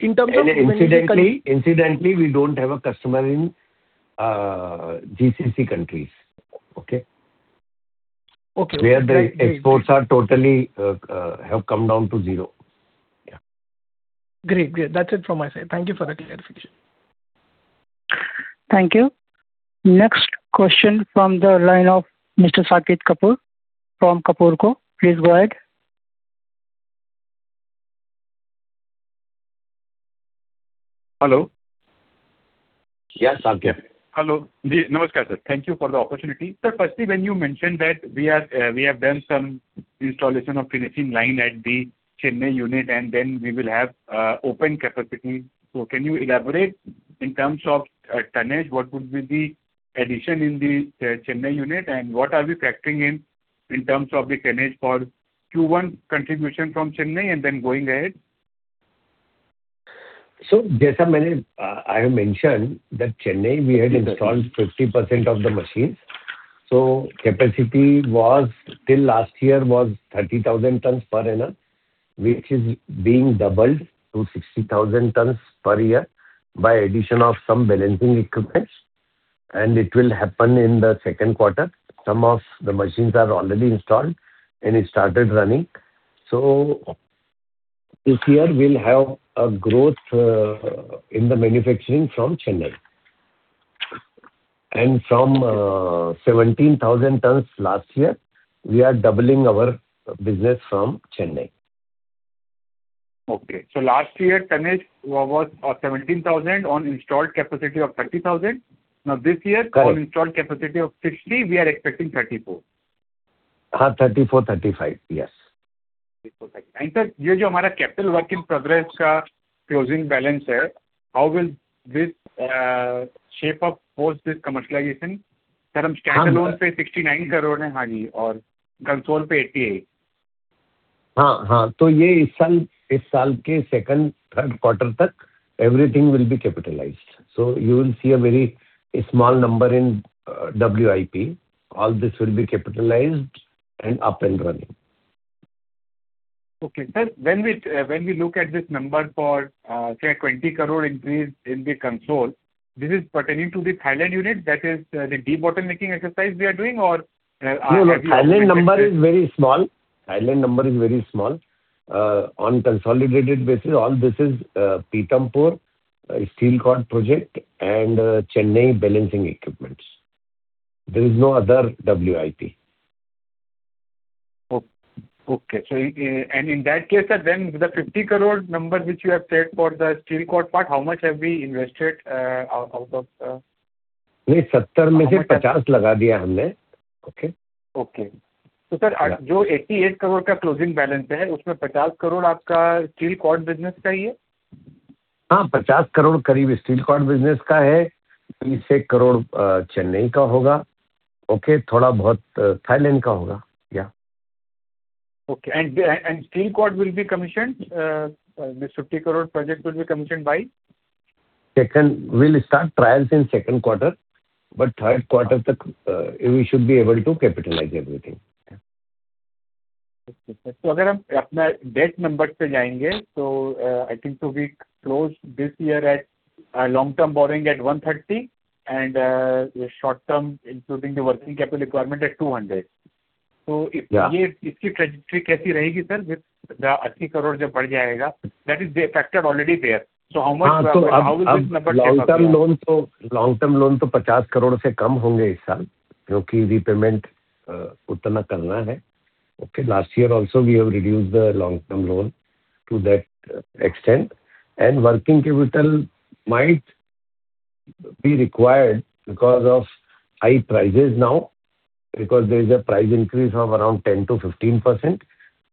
M: In terms of.
C: Incidentally, we don't have a customer in GCC countries. Okay?
M: Okay.
C: Where the exports have come down to zero. Yeah.
M: Great. That's it from my side. Thank you for the clarification.
A: Thank you. Next question from the line of Mr. Saket Kapoor from Kapoor & Co. Please go ahead.
N: Hello.
C: Yes, Saket.
N: Hello. Hello, sir. Thank you for the opportunity. Sir, firstly, when you mentioned that we have done some installation of finishing line at the Chennai unit, and then we will have open capacity. Can you elaborate in terms of tonnage, what would be the addition in the Chennai unit, and what are we factoring in in terms of the tonnage for Q1 contribution from Chennai and then going ahead.
C: I have mentioned that in Chennai, we had installed 50% of the machines, capacity till last year was 30,000 tons per annum, which is being doubled to 60,000 tons per year by addition of some balancing equipment, and it will happen in the second quarter. Some of the machines are already installed and it started running. This year we'll have a growth in the manufacturing from Chennai. From 17,000 tons last year, we are doubling our business from Chennai.
N: Okay. Last year tonnage was 17,000 on installed capacity of 30,000. Now this year on installed capacity of 60, we are expecting 34.
C: 34, 35. Yes.
N: Sir, capital work in progress closing balance, how will this shape up post this commercialization term? Standalone INR 69 crore, consolidated INR 88 crore.
C: Everything will be capitalized. You will see a very small number in WIP. All this will be capitalized and up and running.
N: Okay. Sir, when we look at this number for, say, 20 crore increase in the CapEx, this is pertaining to the Thailand unit. That is the debottlenecking exercise we are doing or.
C: No, Thailand number is very small. On consolidated basis, all this is Pithampur steel cord project and Chennai balancing equipments. There is no other WIP.
N: Okay. In that case, sir, then the 50 crore number which you have said for the steel cord part. Okay. Sir, INR 88 crore closing balance, INR 50 crore steel cord business?
C: Steel cord business, Chennai. Okay, Thailand. Yeah.
N: Okay. Steel cord will be commissioned, this 50 crore project will be commissioned by?
C: We'll start trials in second quarter, but third quarter we should be able to capitalize everything.
N: If we go by our debt numbers, I think we close this year at long-term borrowing at 130 and short-term, including the working capital requirement at 200. Trajectory, sir, with 80 crore, that is the effect are already there. How much number?
C: Long-term loan INR 50 crore repayment. Okay, last year also, we have reduced the long-term loan to that extent, and working capital might be required because of high prices now, because there is a price increase of around 10%-15%,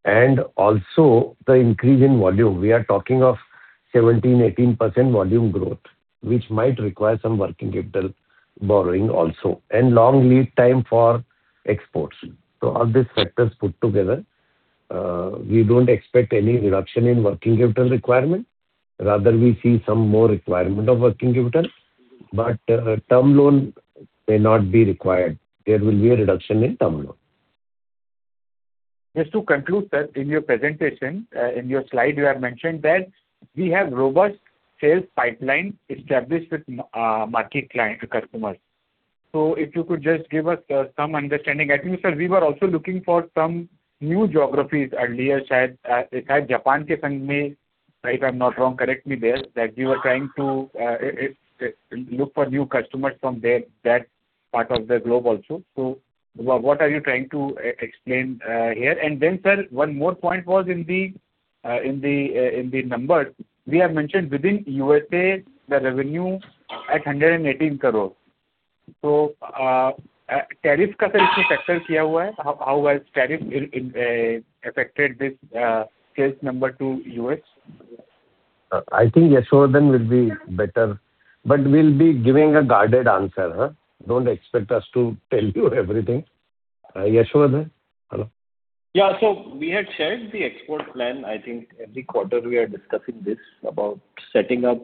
C: and also the increase in volume. We are talking of 17%-18% volume growth, which might require some working capital borrowing also, and long lead time for exports. All these factors put together, we don't expect any reduction in working capital requirement. Rather we see some more requirement of working capital, but term loan may not be required. There will be a reduction in term loan.
N: Just to conclude, sir, in your presentation, in your slide, you have mentioned that we have robust sales pipeline established with market customers. If you could just give us some understanding. I think, sir, we were also looking for some new geographies earlier, Japan, if I'm not wrong, correct me there, that you were trying to look for new customers from that part of the globe also. What are you trying to explain here? Then, sir, one more point was in the numbers, we have mentioned within U.S., the revenue at INR 118 crore. Tariff factor here? How was tariff affected this sales number to U.S.?
C: I think Yashovardhan will be better, but we'll be giving a guarded answer. Don't expect us to tell you everything. Yashovardhan, hello.
E: Yeah. We had shared the export plan. I think every quarter we are discussing this about setting up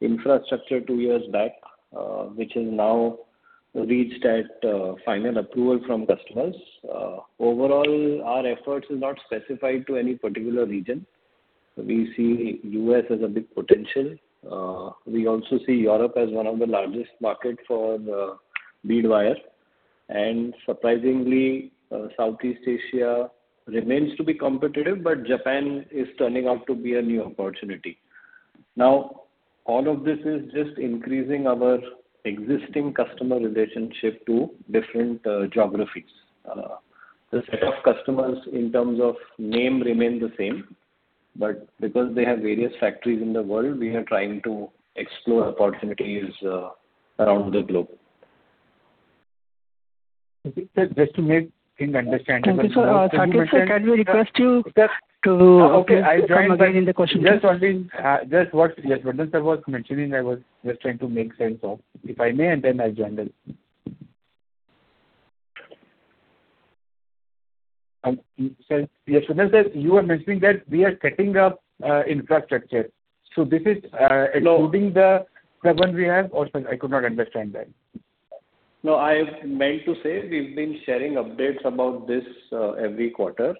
E: infrastructure two years back, which has now reached at final approval from customers. Overall, our efforts is not specified to any particular region. We see U.S. as a big potential. We also see Europe as one of the largest market for the bead wire, and surprisingly, Southeast Asia remains to be competitive, but Japan is turning out to be a new opportunity. Now, all of this is just increasing our existing customer relationship to different geographies. The set of customers in terms of name remain the same, but because they have various factories in the world, we are trying to explore opportunities around the globe.
N: I think, sir, just to make things understandable.
A: Thank you, sir. Can we request you to come again in the question.
N: Just what Yashovardhan sir was mentioning, I was just trying to make sense of, if I may, and then I'll join the. sir, you were mentioning that we are setting up infrastructure. this is including the current we have, or sir, I could not understand that.
E: No, I meant to say we've been sharing updates about this every quarter.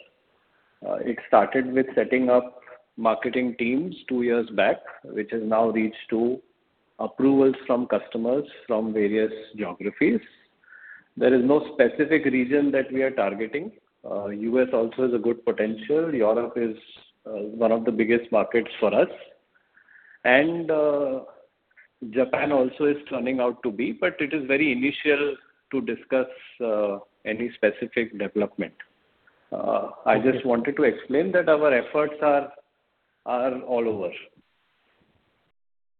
E: It started with setting up marketing teams two years back, which has now reached to approvals from customers from various geographies. There is no specific region that we are targeting. U.S. also has a good potential. Europe is one of the biggest markets for us. Japan also is turning out to be, but it is very initial to discuss any specific development. I just wanted to explain that our efforts are all over.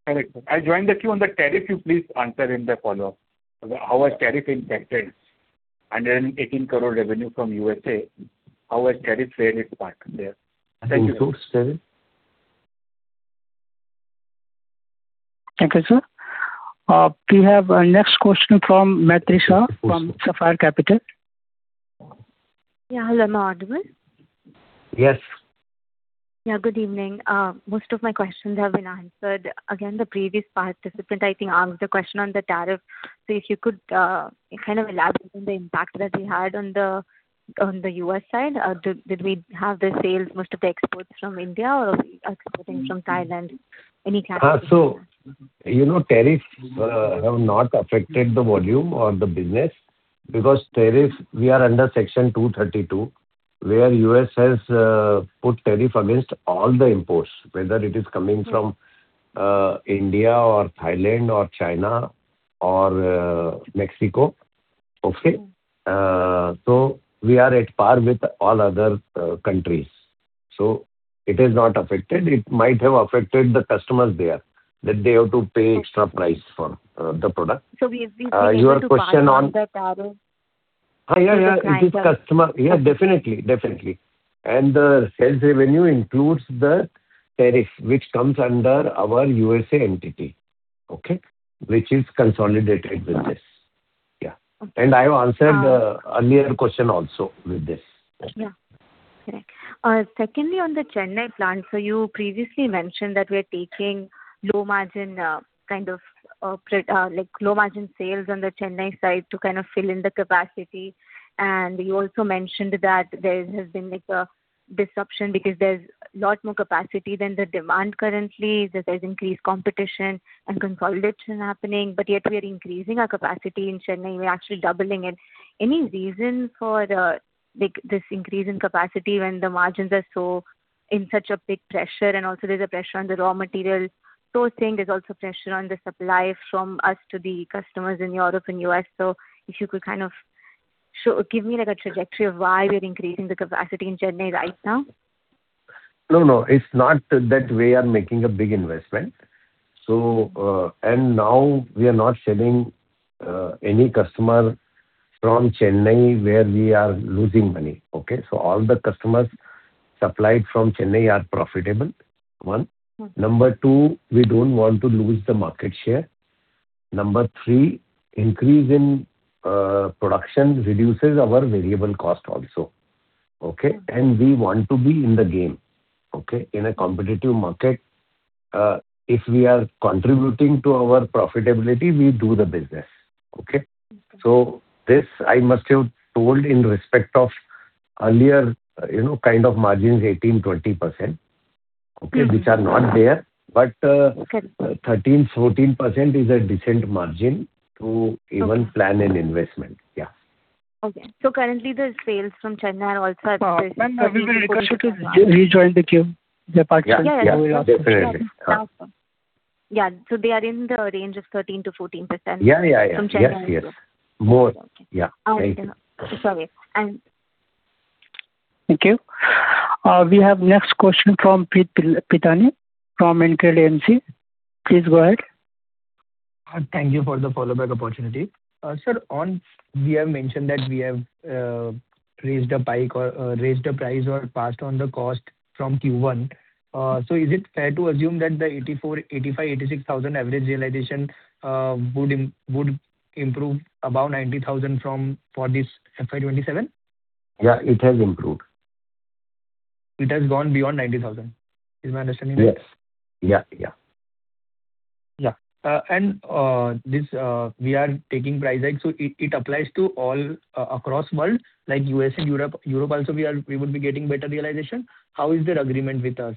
N: Correct. I'll join the queue on the tariff. You please answer in the follow-up. How was tariff impacted? 118 crore revenue from the U.S., how was the tariff-related part there? Thank you.
C: Tariff.
A: Thank you, sir. We have our next question from Maitri Shah from Sapphire Capital.
O: Yeah. Hello, am I audible?
C: Yes.
O: Yeah. Good evening. Most of my questions have been answered. Again, the previous participant, I think, asked the question on the tariff. If you could kind of elaborate on the impact that it had on the U.S. side. Did we have the sales, most of the exports from India or are we exporting from Thailand? Any clarity.
C: Tariff have not affected the volume or the business because tariff, we are under Section 232, where U.S. has put tariff against all the imports, whether it is coming from India or Thailand or China or Mexico. Okay? We are at par with all other countries. It has not affected. It might have affected the customers there, that they have to pay extra price for the product.
O: We've been seeing it pass on the tariff.
C: Your question on. Yeah.
O: To the customer.
C: Yeah, definitely. The sales revenue includes the tariff, which comes under our U.S. entity. Okay, which is consolidated with this.
O: Got it.
C: Yeah.
O: Okay.
C: I have answered the earlier question also with this.
O: Yeah. Correct. Secondly, on the Chennai plant, so you previously mentioned that we're taking low margin sales on the Chennai side to kind of fill in the capacity. You also mentioned that there has been a disruption because there's a lot more capacity than the demand currently, that there's increased competition and consolidation happening, but yet we're increasing our capacity in Chennai. We're actually doubling it. Any reason for this increase in capacity when the margins are in such a big pressure and also there's a pressure on the raw material sourcing, there's also pressure on the supply from us to the customers in Europe and U.S. If you could kind of give me a trajectory of why we're increasing the capacity in Chennai right now.
C: No. It's not that we are making a big investment. Now we are not shedding any customer from Chennai where we are losing money. Okay? All the customers supplied from Chennai are profitable, one. Number two, we don't want to lose the market share. Number three, increase in production reduces our variable cost also. Okay? We want to be in the game. Okay? In a competitive market, if we are contributing to our profitability, we do the business. Okay? This, I must have told in respect of earlier kind of margins, 18%-20%. Okay? Which are not there. 13%-14% is a decent margin to even plan an investment. Yeah.
O: Okay. Currently, the sales from Chennai are also at 13%-14%. Awesome. Yeah. They are in the range of 13%-14% from Chennai.
C: Yes. More.
O: Okay. It's all good.
A: Thank you. We have next question from Preet Pitani from InCred AMC. Please go ahead.
F: Thank you for the follow-back opportunity. Sir, we have mentioned that we have raised the price or passed on the cost from Q1. Is it fair to assume that the 84,000, 85,000, 86,000 average realization would improve above 90,000 for this FY 2027?
C: Yeah, it has improved.
F: It has gone beyond 90,000? Is my understanding right?
C: Yes. Yeah.
F: Yeah. This, we are taking price hike, so it applies to all across world, like U.S. and Europe. Europe also, we would be getting better realization. How is their agreement with us?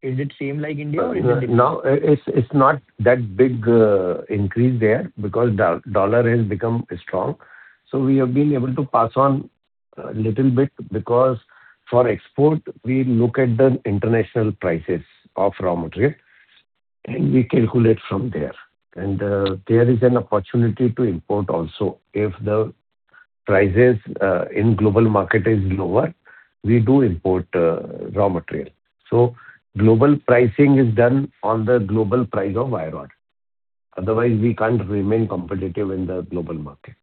F: Is it same like India or is it different?
C: No, it's not that big increase there because dollar has become strong. We have been able to pass on a little bit because for export, we look at the international prices of raw material, and we calculate from there. There is an opportunity to import also. If the prices in global market is lower, we do import raw material. Global pricing is done on the global price of iron ore. Otherwise, we can't remain competitive in the global market.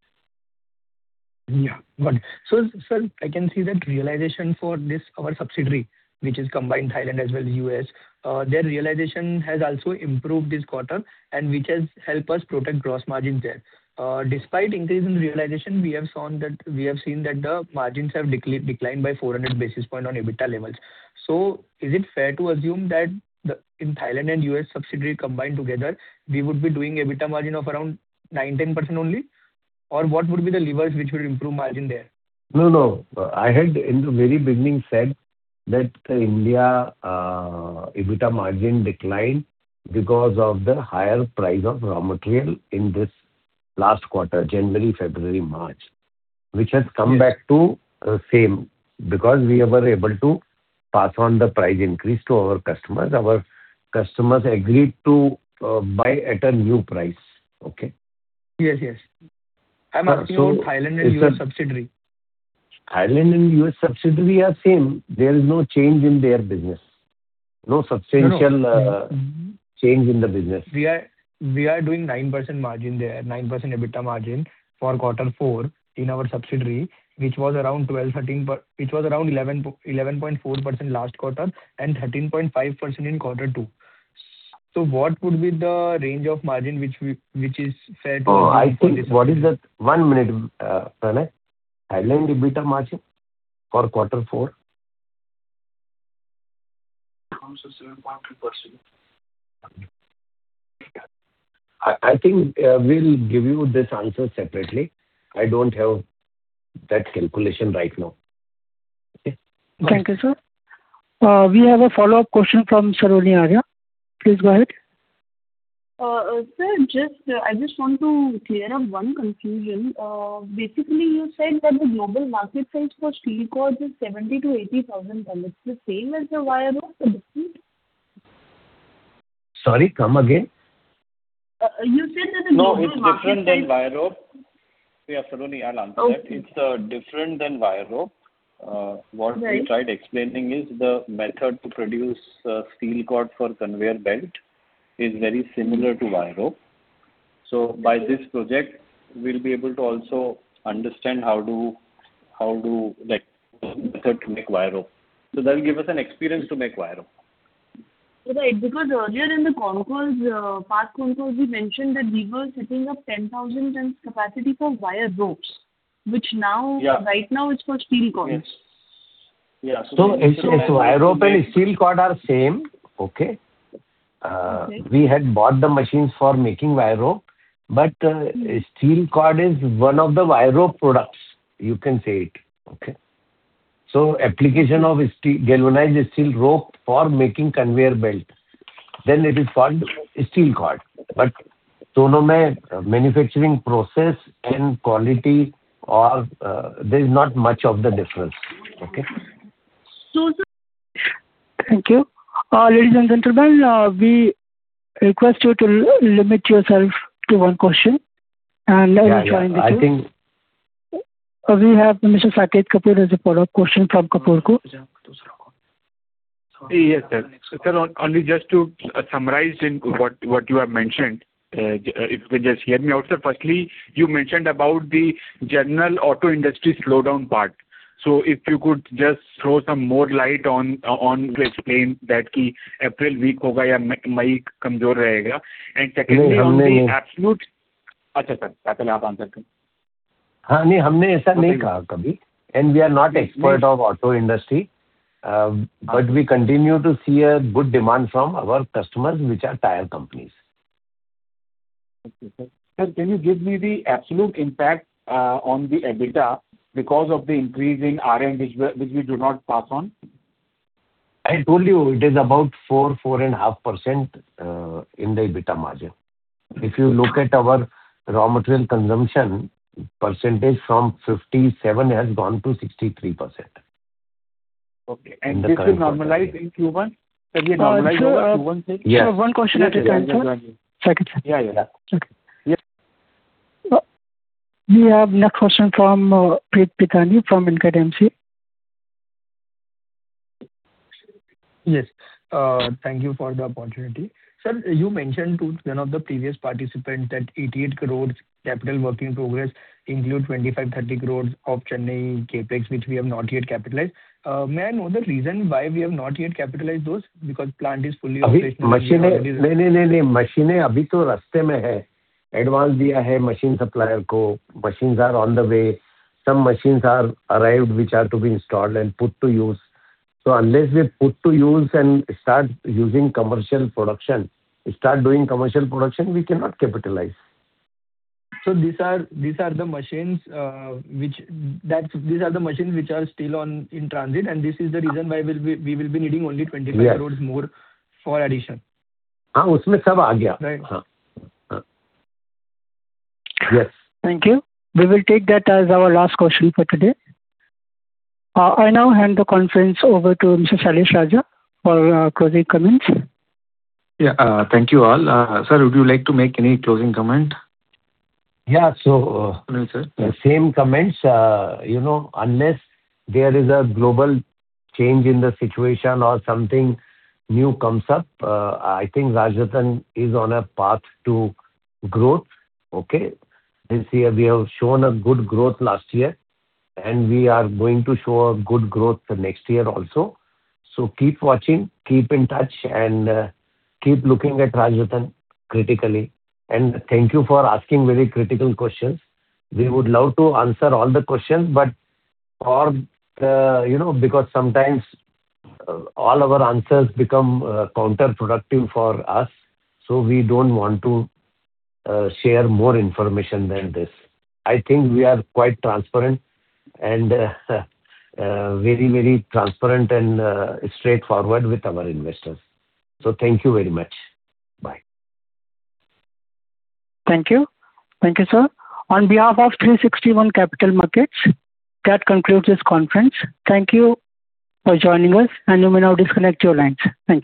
F: Yeah. Got it. Sir, I can see that realization for our subsidiary, which is combined Thailand as well as U.S. Their realization has also improved this quarter, and which has help us protect gross margin there. Despite increase in realization, we have seen that the margins have declined by 400 basis point on EBITDA levels. Is it fair to assume that in Thailand and U.S. subsidiary combined together, we would be doing EBITDA margin of around 9%-10% only? Or what would be the levers which will improve margin there?
C: No, no. I had, in the very beginning, said that India EBITDA margin declined because of the higher price of raw material in this last quarter, January, February, March, which has come back to same because we were able to pass on the price increase to our customers. Our customers agreed to buy at a new price. Okay?
F: Yes, yes. I'm asking for Thailand and U.S. subsidiary.
C: Thailand and U.S. subsidiary are same. There is no change in their business. No substantial change in the business.
F: We are doing 9% margin there, 9% EBITDA margin for quarter four in our subsidiary, which was around 11.4% last quarter and 13.5% in quarter two. What would be the range of margin which is fair to?
C: One minute, Pranay. Thailand EBITDA margin for quarter four?
J: Around 7.3%.
C: I think we'll give you this answer separately. I don't have that calculation right now. Okay?
A: Thank you, sir. We have a follow-up question from Saloni Arya. Please go ahead.
K: Sir, I just want to clear up one confusion. Basically, you said that the global market sales for steel cords is 70-80,000 tons. The same as the wire rope or different?
C: Sorry, come again.
K: You said that the global market.
E: No, it's different than wire rope. Yeah, Saloni, I'll answer that. It's different than wire rope. What we tried explaining is the method to produce steel cord for conveyor belt is very similar to wire rope. By this project we'll be able to also understand how to make wire rope. That'll give us an experience to make wire rope.
K: Right. Because earlier in the path controls, we mentioned that we were setting up 10,000 tons capacity for wire ropes, which right now is for steel cords.
E: Yes.
C: Wire rope and steel cord are same. Okay?
K: Okay.
C: We had bought the machines for making wire rope, but steel cord is one of the wire rope products, you can say it. Okay? Application of galvanized steel rope for making conveyor belt, then it is called steel cord. Manufacturing process and quality, there's not much of the difference. Okay?
A: Thank you. Ladies and gentlemen, we request you to limit yourself to one question, and we join the queue. We have Mr. Saket Kapoor has a follow-up question from Kapoor & Co.
N: Yes, sir. Sir, only just to summarize in what you have mentioned, if you just hear me out, sir. Firstly, you mentioned about the general auto industry slowdown part. If you could just throw some more light on to explain that April-May. Secondly, on the absolute.
C: We are not experts of auto industry, but we continue to see a good demand from our customers, which are tire companies.
N: Thank you, sir. Sir, can you give me the absolute impact on the EBITDA because of the increase in RM which we do not pass on?
C: I told you it is about 4%-4.5% in the EBITDA margin. If you look at our raw material consumption percentage from 57% has gone to 63%.
N: Okay. This will normalize in Q1? Will it normalize in Q1?
C: Yes.
A: Sir, one question at a time, sir. Saket.
N: Yeah.
A: We have next question from Preet Pitani from InCred AMC.
F: Yes. Thank you for the opportunity. Sir, you mentioned to one of the previous participants that 88 crores capital work in progress include 25 crore-30 crore of Chennai CapEx, which we have not yet capitalized. May I know the reason why we have not yet capitalized those? Because plant is fully operational.
C: Machines are on the way. Some machines are arrived, which are to be installed and put to use. Unless we put to use and start doing commercial production, we cannot capitalize.
F: These are the machines which are still in transit, and this is the reason why we will be needing only 25 crore more for addition. Right.
C: Yes.
A: Thank you. We will take that as our last question for today. I now hand the conference over to Mr. Suresh Raja for closing comments.
B: Yeah. Thank you all. Sir, would you like to make any closing comment?
C: Yeah. Same comments. Unless there is a global change in the situation or something new comes up, I think Rajratan is on a path to growth. Okay? This year, we have shown a good growth last year, and we are going to show a good growth next year also. Keep watching, keep in touch, and keep looking at Rajratan critically. Thank you for asking very critical questions. We would love to answer all the questions, but because sometimes all our answers become counterproductive for us, so we don't want to share more information than this. I think we are quite transparent, and very transparent and straightforward with our investors. Thank you very much. Bye.
A: Thank you. Thank you, sir. On behalf of 360 ONE Capital Markets, that concludes this conference. Thank you for joining us, and you may now disconnect your lines. Thank you.